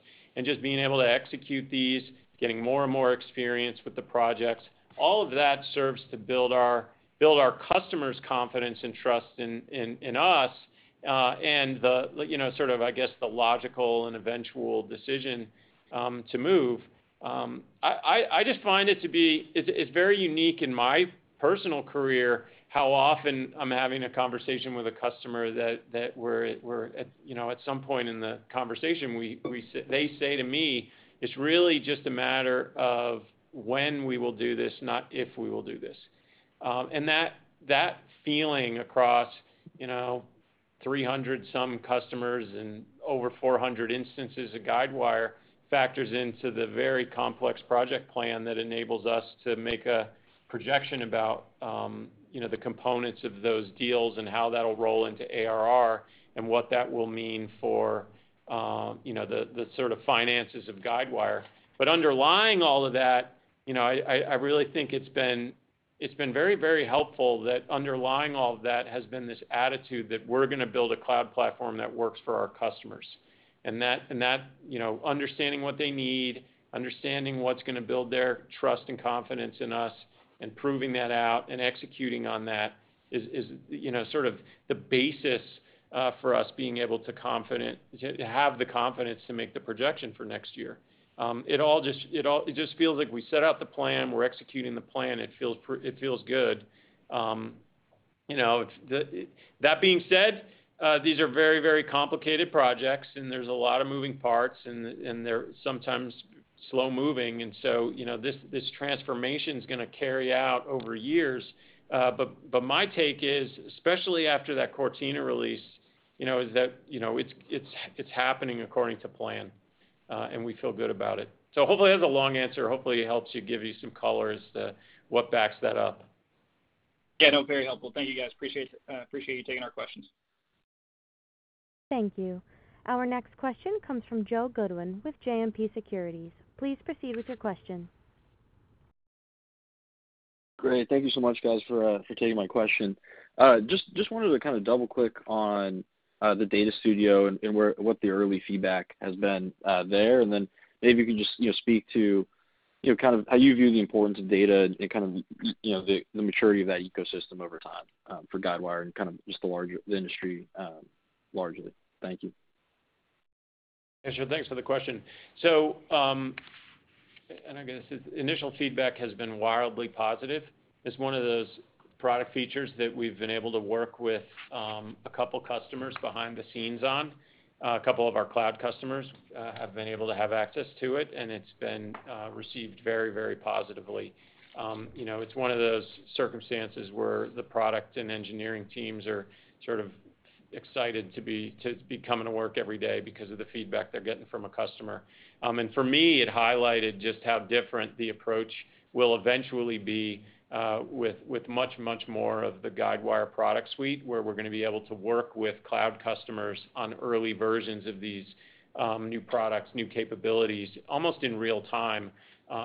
Just being able to execute these, getting more and more experience with the projects, all of that serves to build our customers' confidence and trust in us, and the sort of, I guess, the logical and eventual decision to move. It's very unique in my personal career how often I'm having a conversation with a customer that at some point in the conversation, they say to me, "It's really just a matter of when we will do this, not if we will do this." That feeling across 300-some customers and over 400 instances of Guidewire factors into the very complex project plan that enables us to make a projection about the components of those deals and how that'll roll into ARR and what that will mean for the sort of finances of Guidewire. Underlying all of that, I really think it's been very helpful that underlying all of that has been this attitude that we're going to build a cloud platform that works for our customers. That understanding what they need, understanding what's going to build their trust and confidence in us, and proving that out and executing on that is sort of the basis for us being able to have the confidence to make the projection for next year. It just feels like we set out the plan, we're executing the plan. It feels good. That being said, these are very complicated projects, and there's a lot of moving parts, and they're sometimes slow moving. This transformation's going to carry out over years. My take is, especially after that Cortina release, is that it's happening according to plan. And we feel good about it. Hopefully that's a long answer. Hopefully it helps you give you some color as to what backs that up. Yeah, no, very helpful. Thank you, guys. Appreciate you taking our questions. Thank you. Our next question comes from Joe Goodwin with JMP Securities. Please proceed with your question. Great. Thank you so much, guys, for taking my question. Just wanted to kind of double-click on the Data Studio and what the early feedback has been there. Then maybe you can just speak to how you view the importance of data and the maturity of that ecosystem over time for Guidewire and just the industry largely. Thank you. Sure. Thanks for the question. Again, I said initial feedback has been wildly positive. It's one of those product features that we've been able to work with a couple customers behind the scenes on. A couple of our cloud customers have been able to have access to it. It's been received very positively. It's one of those circumstances where the product and engineering teams are sort of excited to be coming to work every day because of the feedback they're getting from a customer. For me, it highlighted just how different the approach will eventually be with much more of the Guidewire product suite, where we're going to be able to work with cloud customers on early versions of these new products, new capabilities, almost in real time,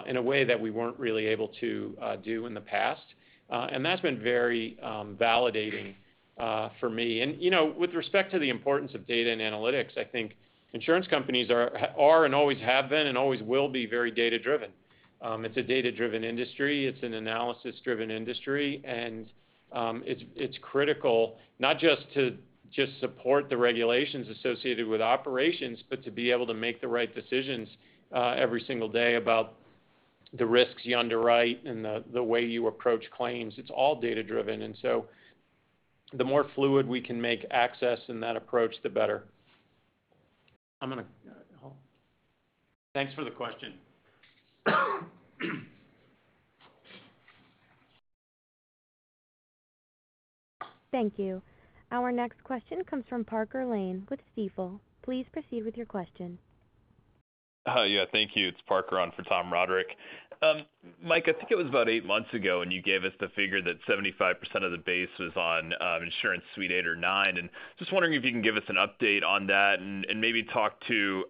in a way that we weren't really able to do in the past. That's been very validating for me. With respect to the importance of data and analytics, I think insurance companies are, and always have been, and always will be very data-driven. It's a data-driven industry. It's an analysis-driven industry, and it's critical not just to support the regulations associated with operations, but to be able to make the right decisions every single day about the risks you underwrite and the way you approach claims. It's all data-driven. So the more fluid we can make access in that approach, the better. Thanks for the question. Thank you. Our next question comes from Parker Lane with Stifel. Please proceed with your question. Yeah, thank you. It's Parker Lane on for Tom Roderick. Mike Rosenbaum, I think it was about eight months ago when you gave us the figure that 75% of the base was on InsuranceSuite 8 or 9. Just wondering if you can give us an update on that and maybe talk to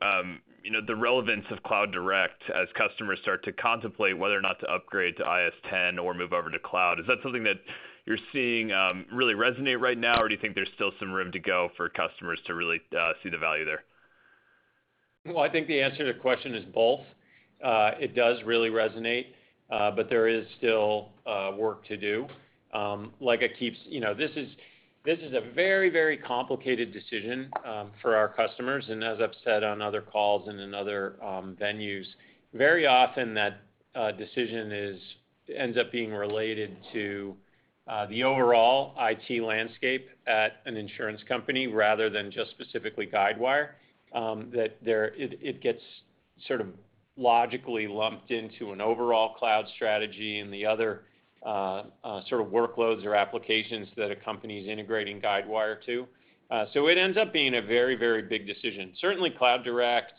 the relevance of CloudDirect as customers start to contemplate whether or not to upgrade to IS10 or move over to Guidewire Cloud. Is that something that you're seeing really resonate right now, or do you think there's still some room to go for customers to really see the value there? Well, I think the answer to the question is both. It does really resonate, but there is still work to do. This is a very complicated decision for our customers, and as I've said on other calls and in other venues, very often that decision ends up being related to the overall IT landscape at an insurance company rather than just specifically Guidewire, that it gets sort of logically lumped into an overall cloud strategy and the other sort of workloads or applications that a company's integrating Guidewire to. It ends up being a very big decision. Certainly CloudDirect,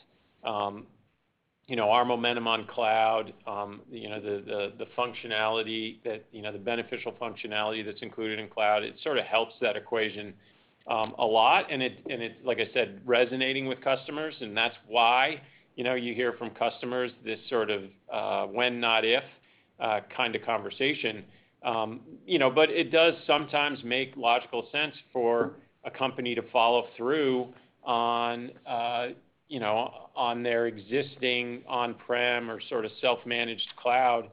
our momentum on cloud, the beneficial functionality that's included in cloud, it sort of helps that equation a lot, and it's, like I said, resonating with customers, and that's why you hear from customers this sort of "when, not if," kind of conversation. It does sometimes make logical sense for a company to follow through on their existing on-prem or sort of self-managed cloud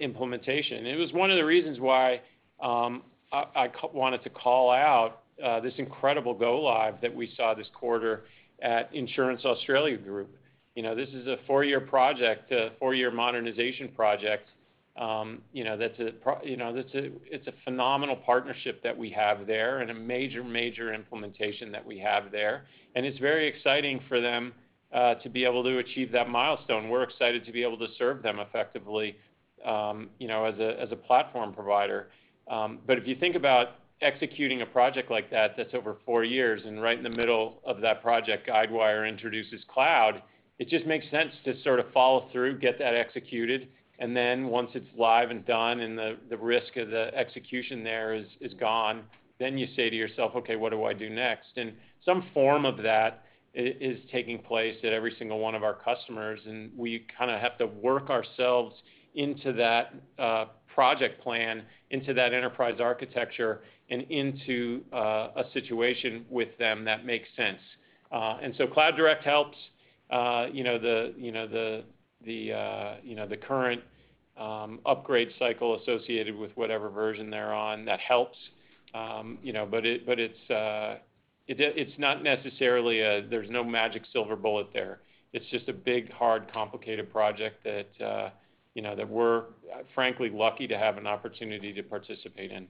implementation. It was one of the reasons why I wanted to call out this incredible go-live that we saw this quarter at Insurance Australia Group. This is a four-year project, a four-year modernization project. It's a phenomenal partnership that we have there and a major implementation that we have there. It's very exciting for them to be able to achieve that milestone. We're excited to be able to serve them effectively as a platform provider. If you think about executing a project like that's over four years, right in the middle of that project, Guidewire introduces cloud, it just makes sense to sort of follow through, get that executed, and then once it's live and done and the risk of the execution there is gone, then you say to yourself, "Okay, what do I do next?" Some form of that is taking place at every single one of our customers, and we kind of have to work ourselves into that project plan, into that enterprise architecture, and into a situation with them that makes sense. CloudDirect helps the current upgrade cycle associated with whatever version they're on. That helps. It's not necessarily. There's no magic silver bullet there. It's just a big, hard, complicated project that we're frankly lucky to have an opportunity to participate in.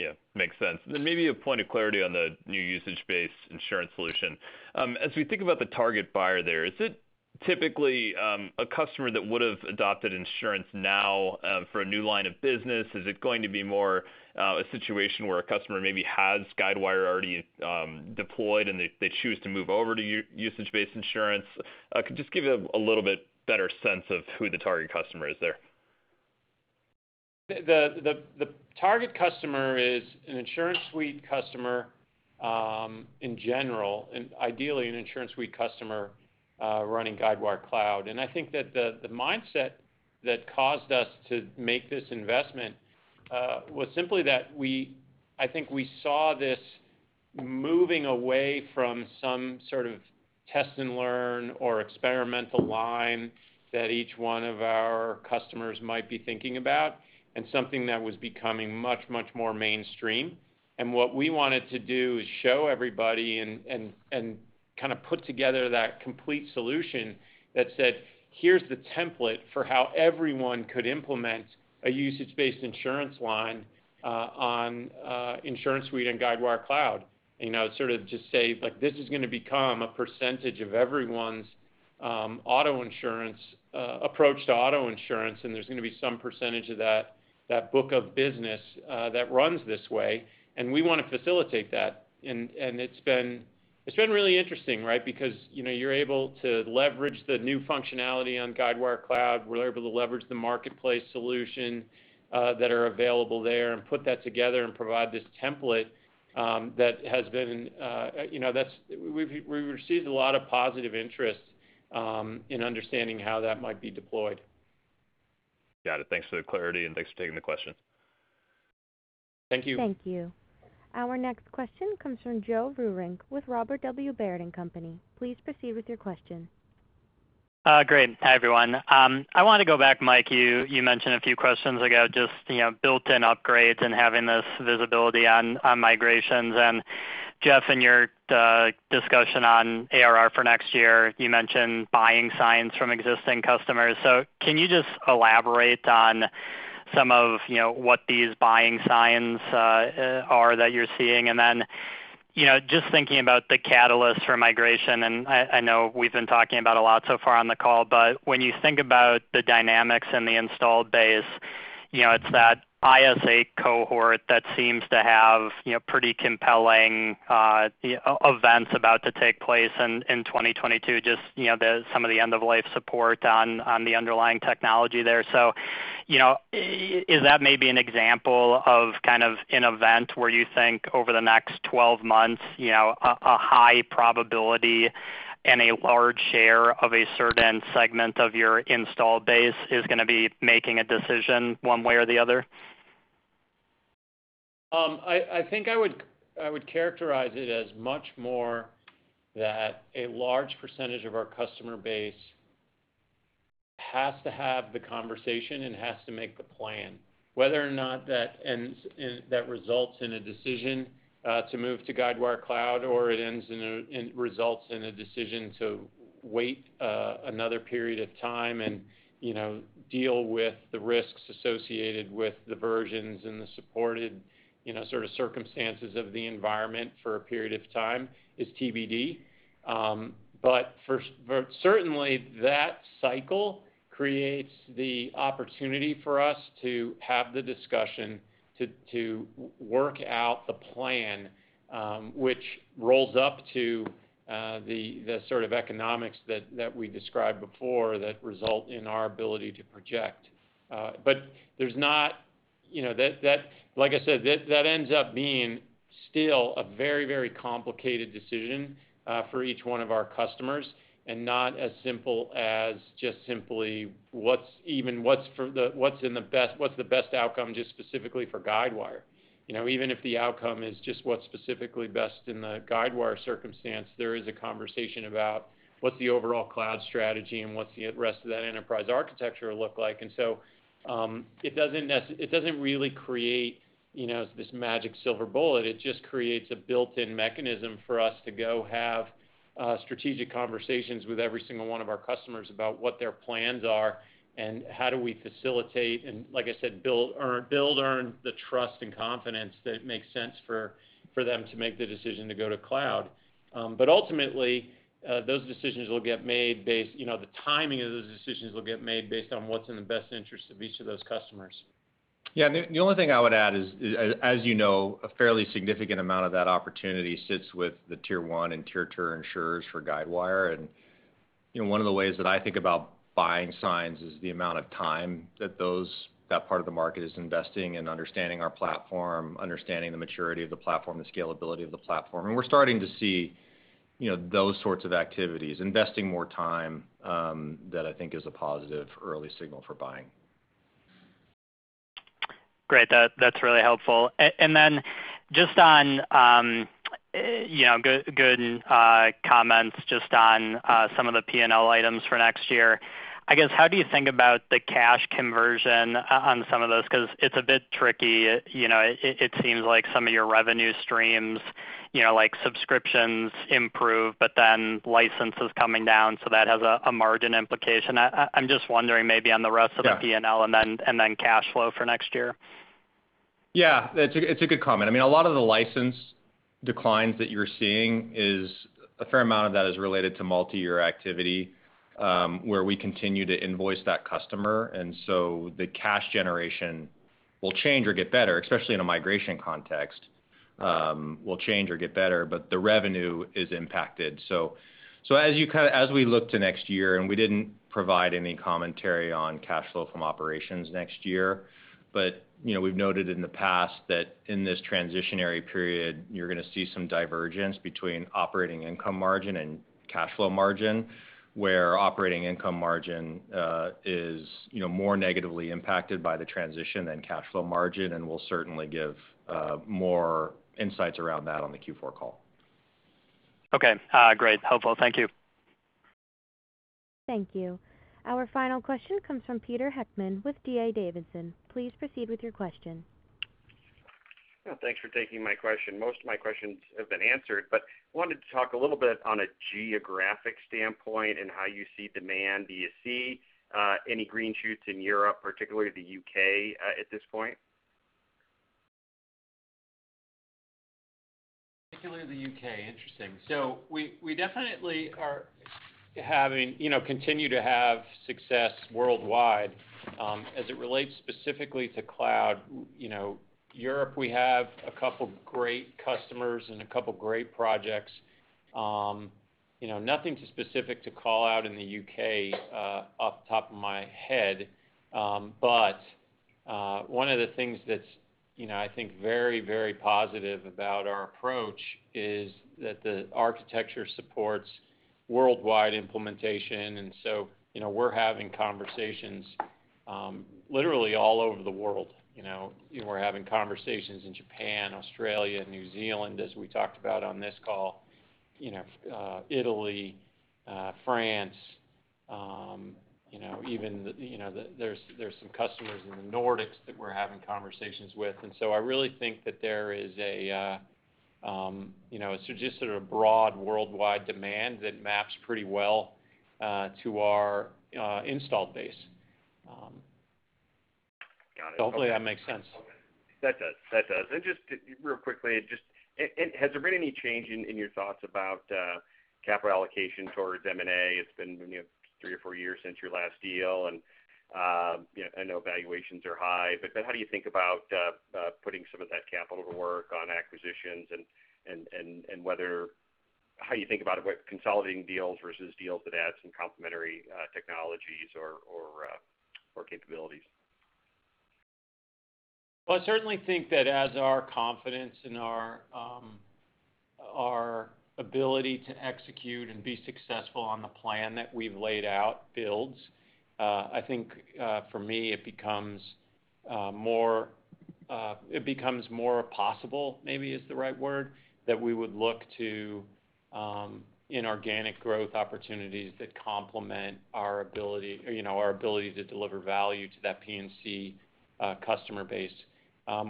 Yeah. Makes sense. Maybe a point of clarity on the new Usage-Based Insurance solution. As we think about the target buyer there, is it Typically, a customer that would've adopted InsuranceNow for a new line of business, is it going to be more a situation where a customer maybe has Guidewire already deployed and they choose to move over to Usage-Based Insurance? Just give a little bit better sense of who the target customer is there. The target customer is an InsuranceSuite customer in general, and ideally an InsuranceSuite customer running Guidewire Cloud. I think that the mindset that caused us to make this investment was simply that I think we saw this moving away from some sort of test and learn or experimental line that each one of our customers might be thinking about and something that was becoming much, much more mainstream. What we wanted to do is show everybody and kind of put together that complete solution that said, "Here's the template for how everyone could implement a usage-based insurance line on InsuranceSuite and Guidewire Cloud." Sort of just say this is going to become a percentage of everyone's approach to auto insurance, and there's going to be some percentage of that book of business that runs this way, and we want to facilitate that. It's been really interesting, right? You're able to leverage the new functionality on Guidewire Cloud. We're able to leverage the marketplace solution that are available there and put that together and provide this template that we've received a lot of positive interest in understanding how that might be deployed. Got it. Thanks for the clarity and thanks for taking the question. Thank you. Thank you. Our next question comes from Joe Vruwink with Robert W. Baird & Co. Please proceed with your question. Great. Hi, everyone. I want to go back, Mike, you mentioned a few questions ago, just built-in upgrades and having this visibility on migrations. Jeff, in your discussion on ARR for next year, you mentioned buying signs from existing customers. Can you just elaborate on some of what these buying signs are that you're seeing? Just thinking about the catalyst for migration, I know we've been talking about a lot so far on the call, when you think about the dynamics in the installed base it's that IS8 cohort that seems to have pretty compelling events about to take place in 2022, just some of the end-of-life support on the underlying technology there. Is that maybe an example of kind of an event where you think over the next 12 months a high probability and a large share of a certain segment of your installed base is going to be making a decision one way or the other? I think I would characterize it as much more that a large percentage of our customer base has to have the conversation and has to make the plan. Whether or not that results in a decision to move to Guidewire Cloud or it results in a decision to wait another period of time and deal with the risks associated with the versions and the supported sort of circumstances of the environment for a period of time is TBD. Certainly that cycle creates the opportunity for us to have the discussion to work out the plan, which rolls up to the sort of economics that we described before that result in our ability to project. Like I said, that ends up being still a very, very complicated decision for each one of our customers, and not as simple as just simply what's the best outcome just specifically for Guidewire. Even if the outcome is just what's specifically best in the Guidewire circumstance, there is a conversation about what's the overall cloud strategy and what's the rest of that enterprise architecture look like. It doesn't really create this magic silver bullet. It just creates a built-in mechanism for us to go have strategic conversations with every single one of our customers about what their plans are and how do we facilitate and, like I said, build earn the trust and confidence that it makes sense for them to make the decision to go to cloud. Ultimately, the timing of those decisions will get made based on what's in the best interest of each of those customers. Yeah. The only thing I would add is, as you know, a fairly significant amount of that opportunity sits with the Tier 1 and Tier 2 insurers for Guidewire. One of the ways that I think about buying signs is the amount of time that that part of the market is investing in understanding our platform, understanding the maturity of the platform, the scalability of the platform. We're starting to see those sorts of activities, investing more time that I think is a positive early signal for buying. Great. That's really helpful. Just on good comments just on some of the P&L items for next year. I guess how do you think about the cash conversion on some of those? It's a bit tricky. It seems like some of your revenue streams like subscriptions improve, but then license is coming down, so that has a margin implication. I'm just wondering maybe on the rest of the P&L and then cash flow for next year. Yeah. It's a good comment. A lot of the license declines that you're seeing, a fair amount of that is related to multi-year activity, where we continue to invoice that customer. The cash generation will change or get better, especially in a migration context, but the revenue is impacted. As we look to next year, and we didn't provide any commentary on cash flow from operations next year, but we've noted in the past that in this transitionary period, you're going to see some divergence between operating income margin and cash flow margin, where operating income margin is more negatively impacted by the transition than cash flow margin, and we'll certainly give more insights around that on the Q4 call. Okay. Great. Helpful. Thank you. Thank you. Our final question comes from Peter Heckmann with D.A. Davidson. Please proceed with your question. Thanks for taking my question. Most of my questions have been answered, but wanted to talk a little bit on a geographic standpoint and how you see demand. Do you see any green shoots in Europe, particularly the U.K. at this point? Particularly the U.K., interesting. We definitely continue to have success worldwide. As it relates specifically to cloud, Europe, we have a couple great customers and a couple great projects. Nothing too specific to call out in the U.K. off the top of my head. One of the things that's, I think, very, very positive about our approach is that the architecture supports worldwide implementation. We're having conversations literally all over the world. We're having conversations in Japan, Australia, New Zealand, as we talked about on this call, Italy, France, even there's some customers in the Nordics that we're having conversations with. I really think that there is just sort of broad worldwide demand that maps pretty well to our install base. Got it. Hopefully that makes sense. That does. Just real quickly, has there been any change in your thoughts about capital allocation towards M&A? It's been three or four years since your last deal, and I know valuations are high, but how do you think about putting some of that capital to work on acquisitions and how you think about consolidating deals versus deals that add some complementary technologies or capabilities? Well, I certainly think that as our confidence in our ability to execute and be successful on the plan that we've laid out builds, I think for me, it becomes more possible, maybe is the right word, that we would look to inorganic growth opportunities that complement our ability to deliver value to that P&C customer base.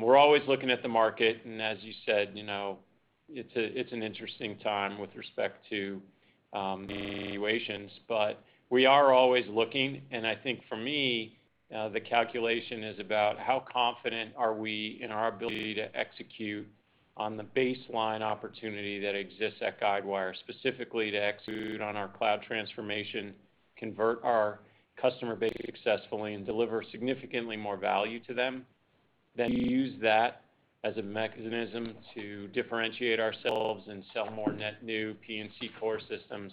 We're always looking at the market, and as you said, it's an interesting time with respect to the valuations. We are always looking, and I think for me, the calculation is about how confident are we in our ability to execute on the baseline opportunity that exists at Guidewire, specifically to execute on our cloud transformation, convert our customer base successfully, and deliver significantly more value to them. We use that as a mechanism to differentiate ourselves and sell more net new P&C core systems,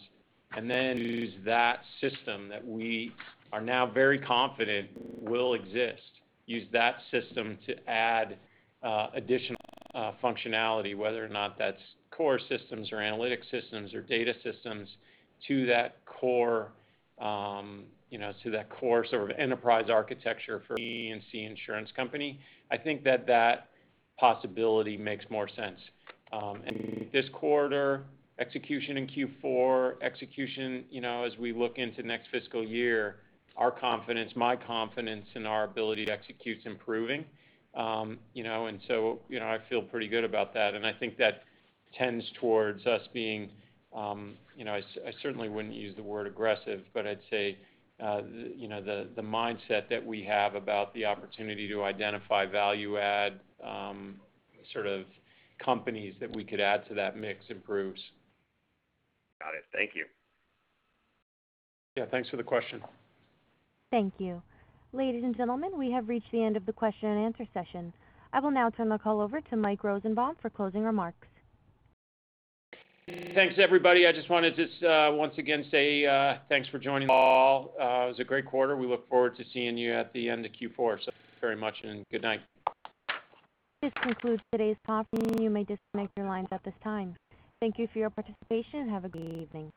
and then use that system that we are now very confident will exist, use that system to add additional functionality, whether or not that's core systems or analytics systems or data systems to that core enterprise architecture for P&C insurance company. I think that possibility makes more sense. This quarter, execution in Q4, execution as we look into next fiscal year, our confidence, my confidence in our ability to execute is improving. I feel pretty good about that, and I think that tends towards us being I certainly wouldn't use the word aggressive, but I'd say the mindset that we have about the opportunity to identify value add companies that we could add to that mix improves. Got it. Thank you. Yeah. Thanks for the question. Thank you. Ladies and gentlemen, we have reached the end of the question-and-answer session. I will now turn the call over to Mike Rosenbaum for closing remarks. Thanks, everybody. I just wanted to once again say thanks for joining the call. It was a great quarter. We look forward to seeing you at the end of Q4. Thank you very much, and good night. This concludes today's conference. You may disconnect your lines at this time. Thank you for your participation and have a great evening.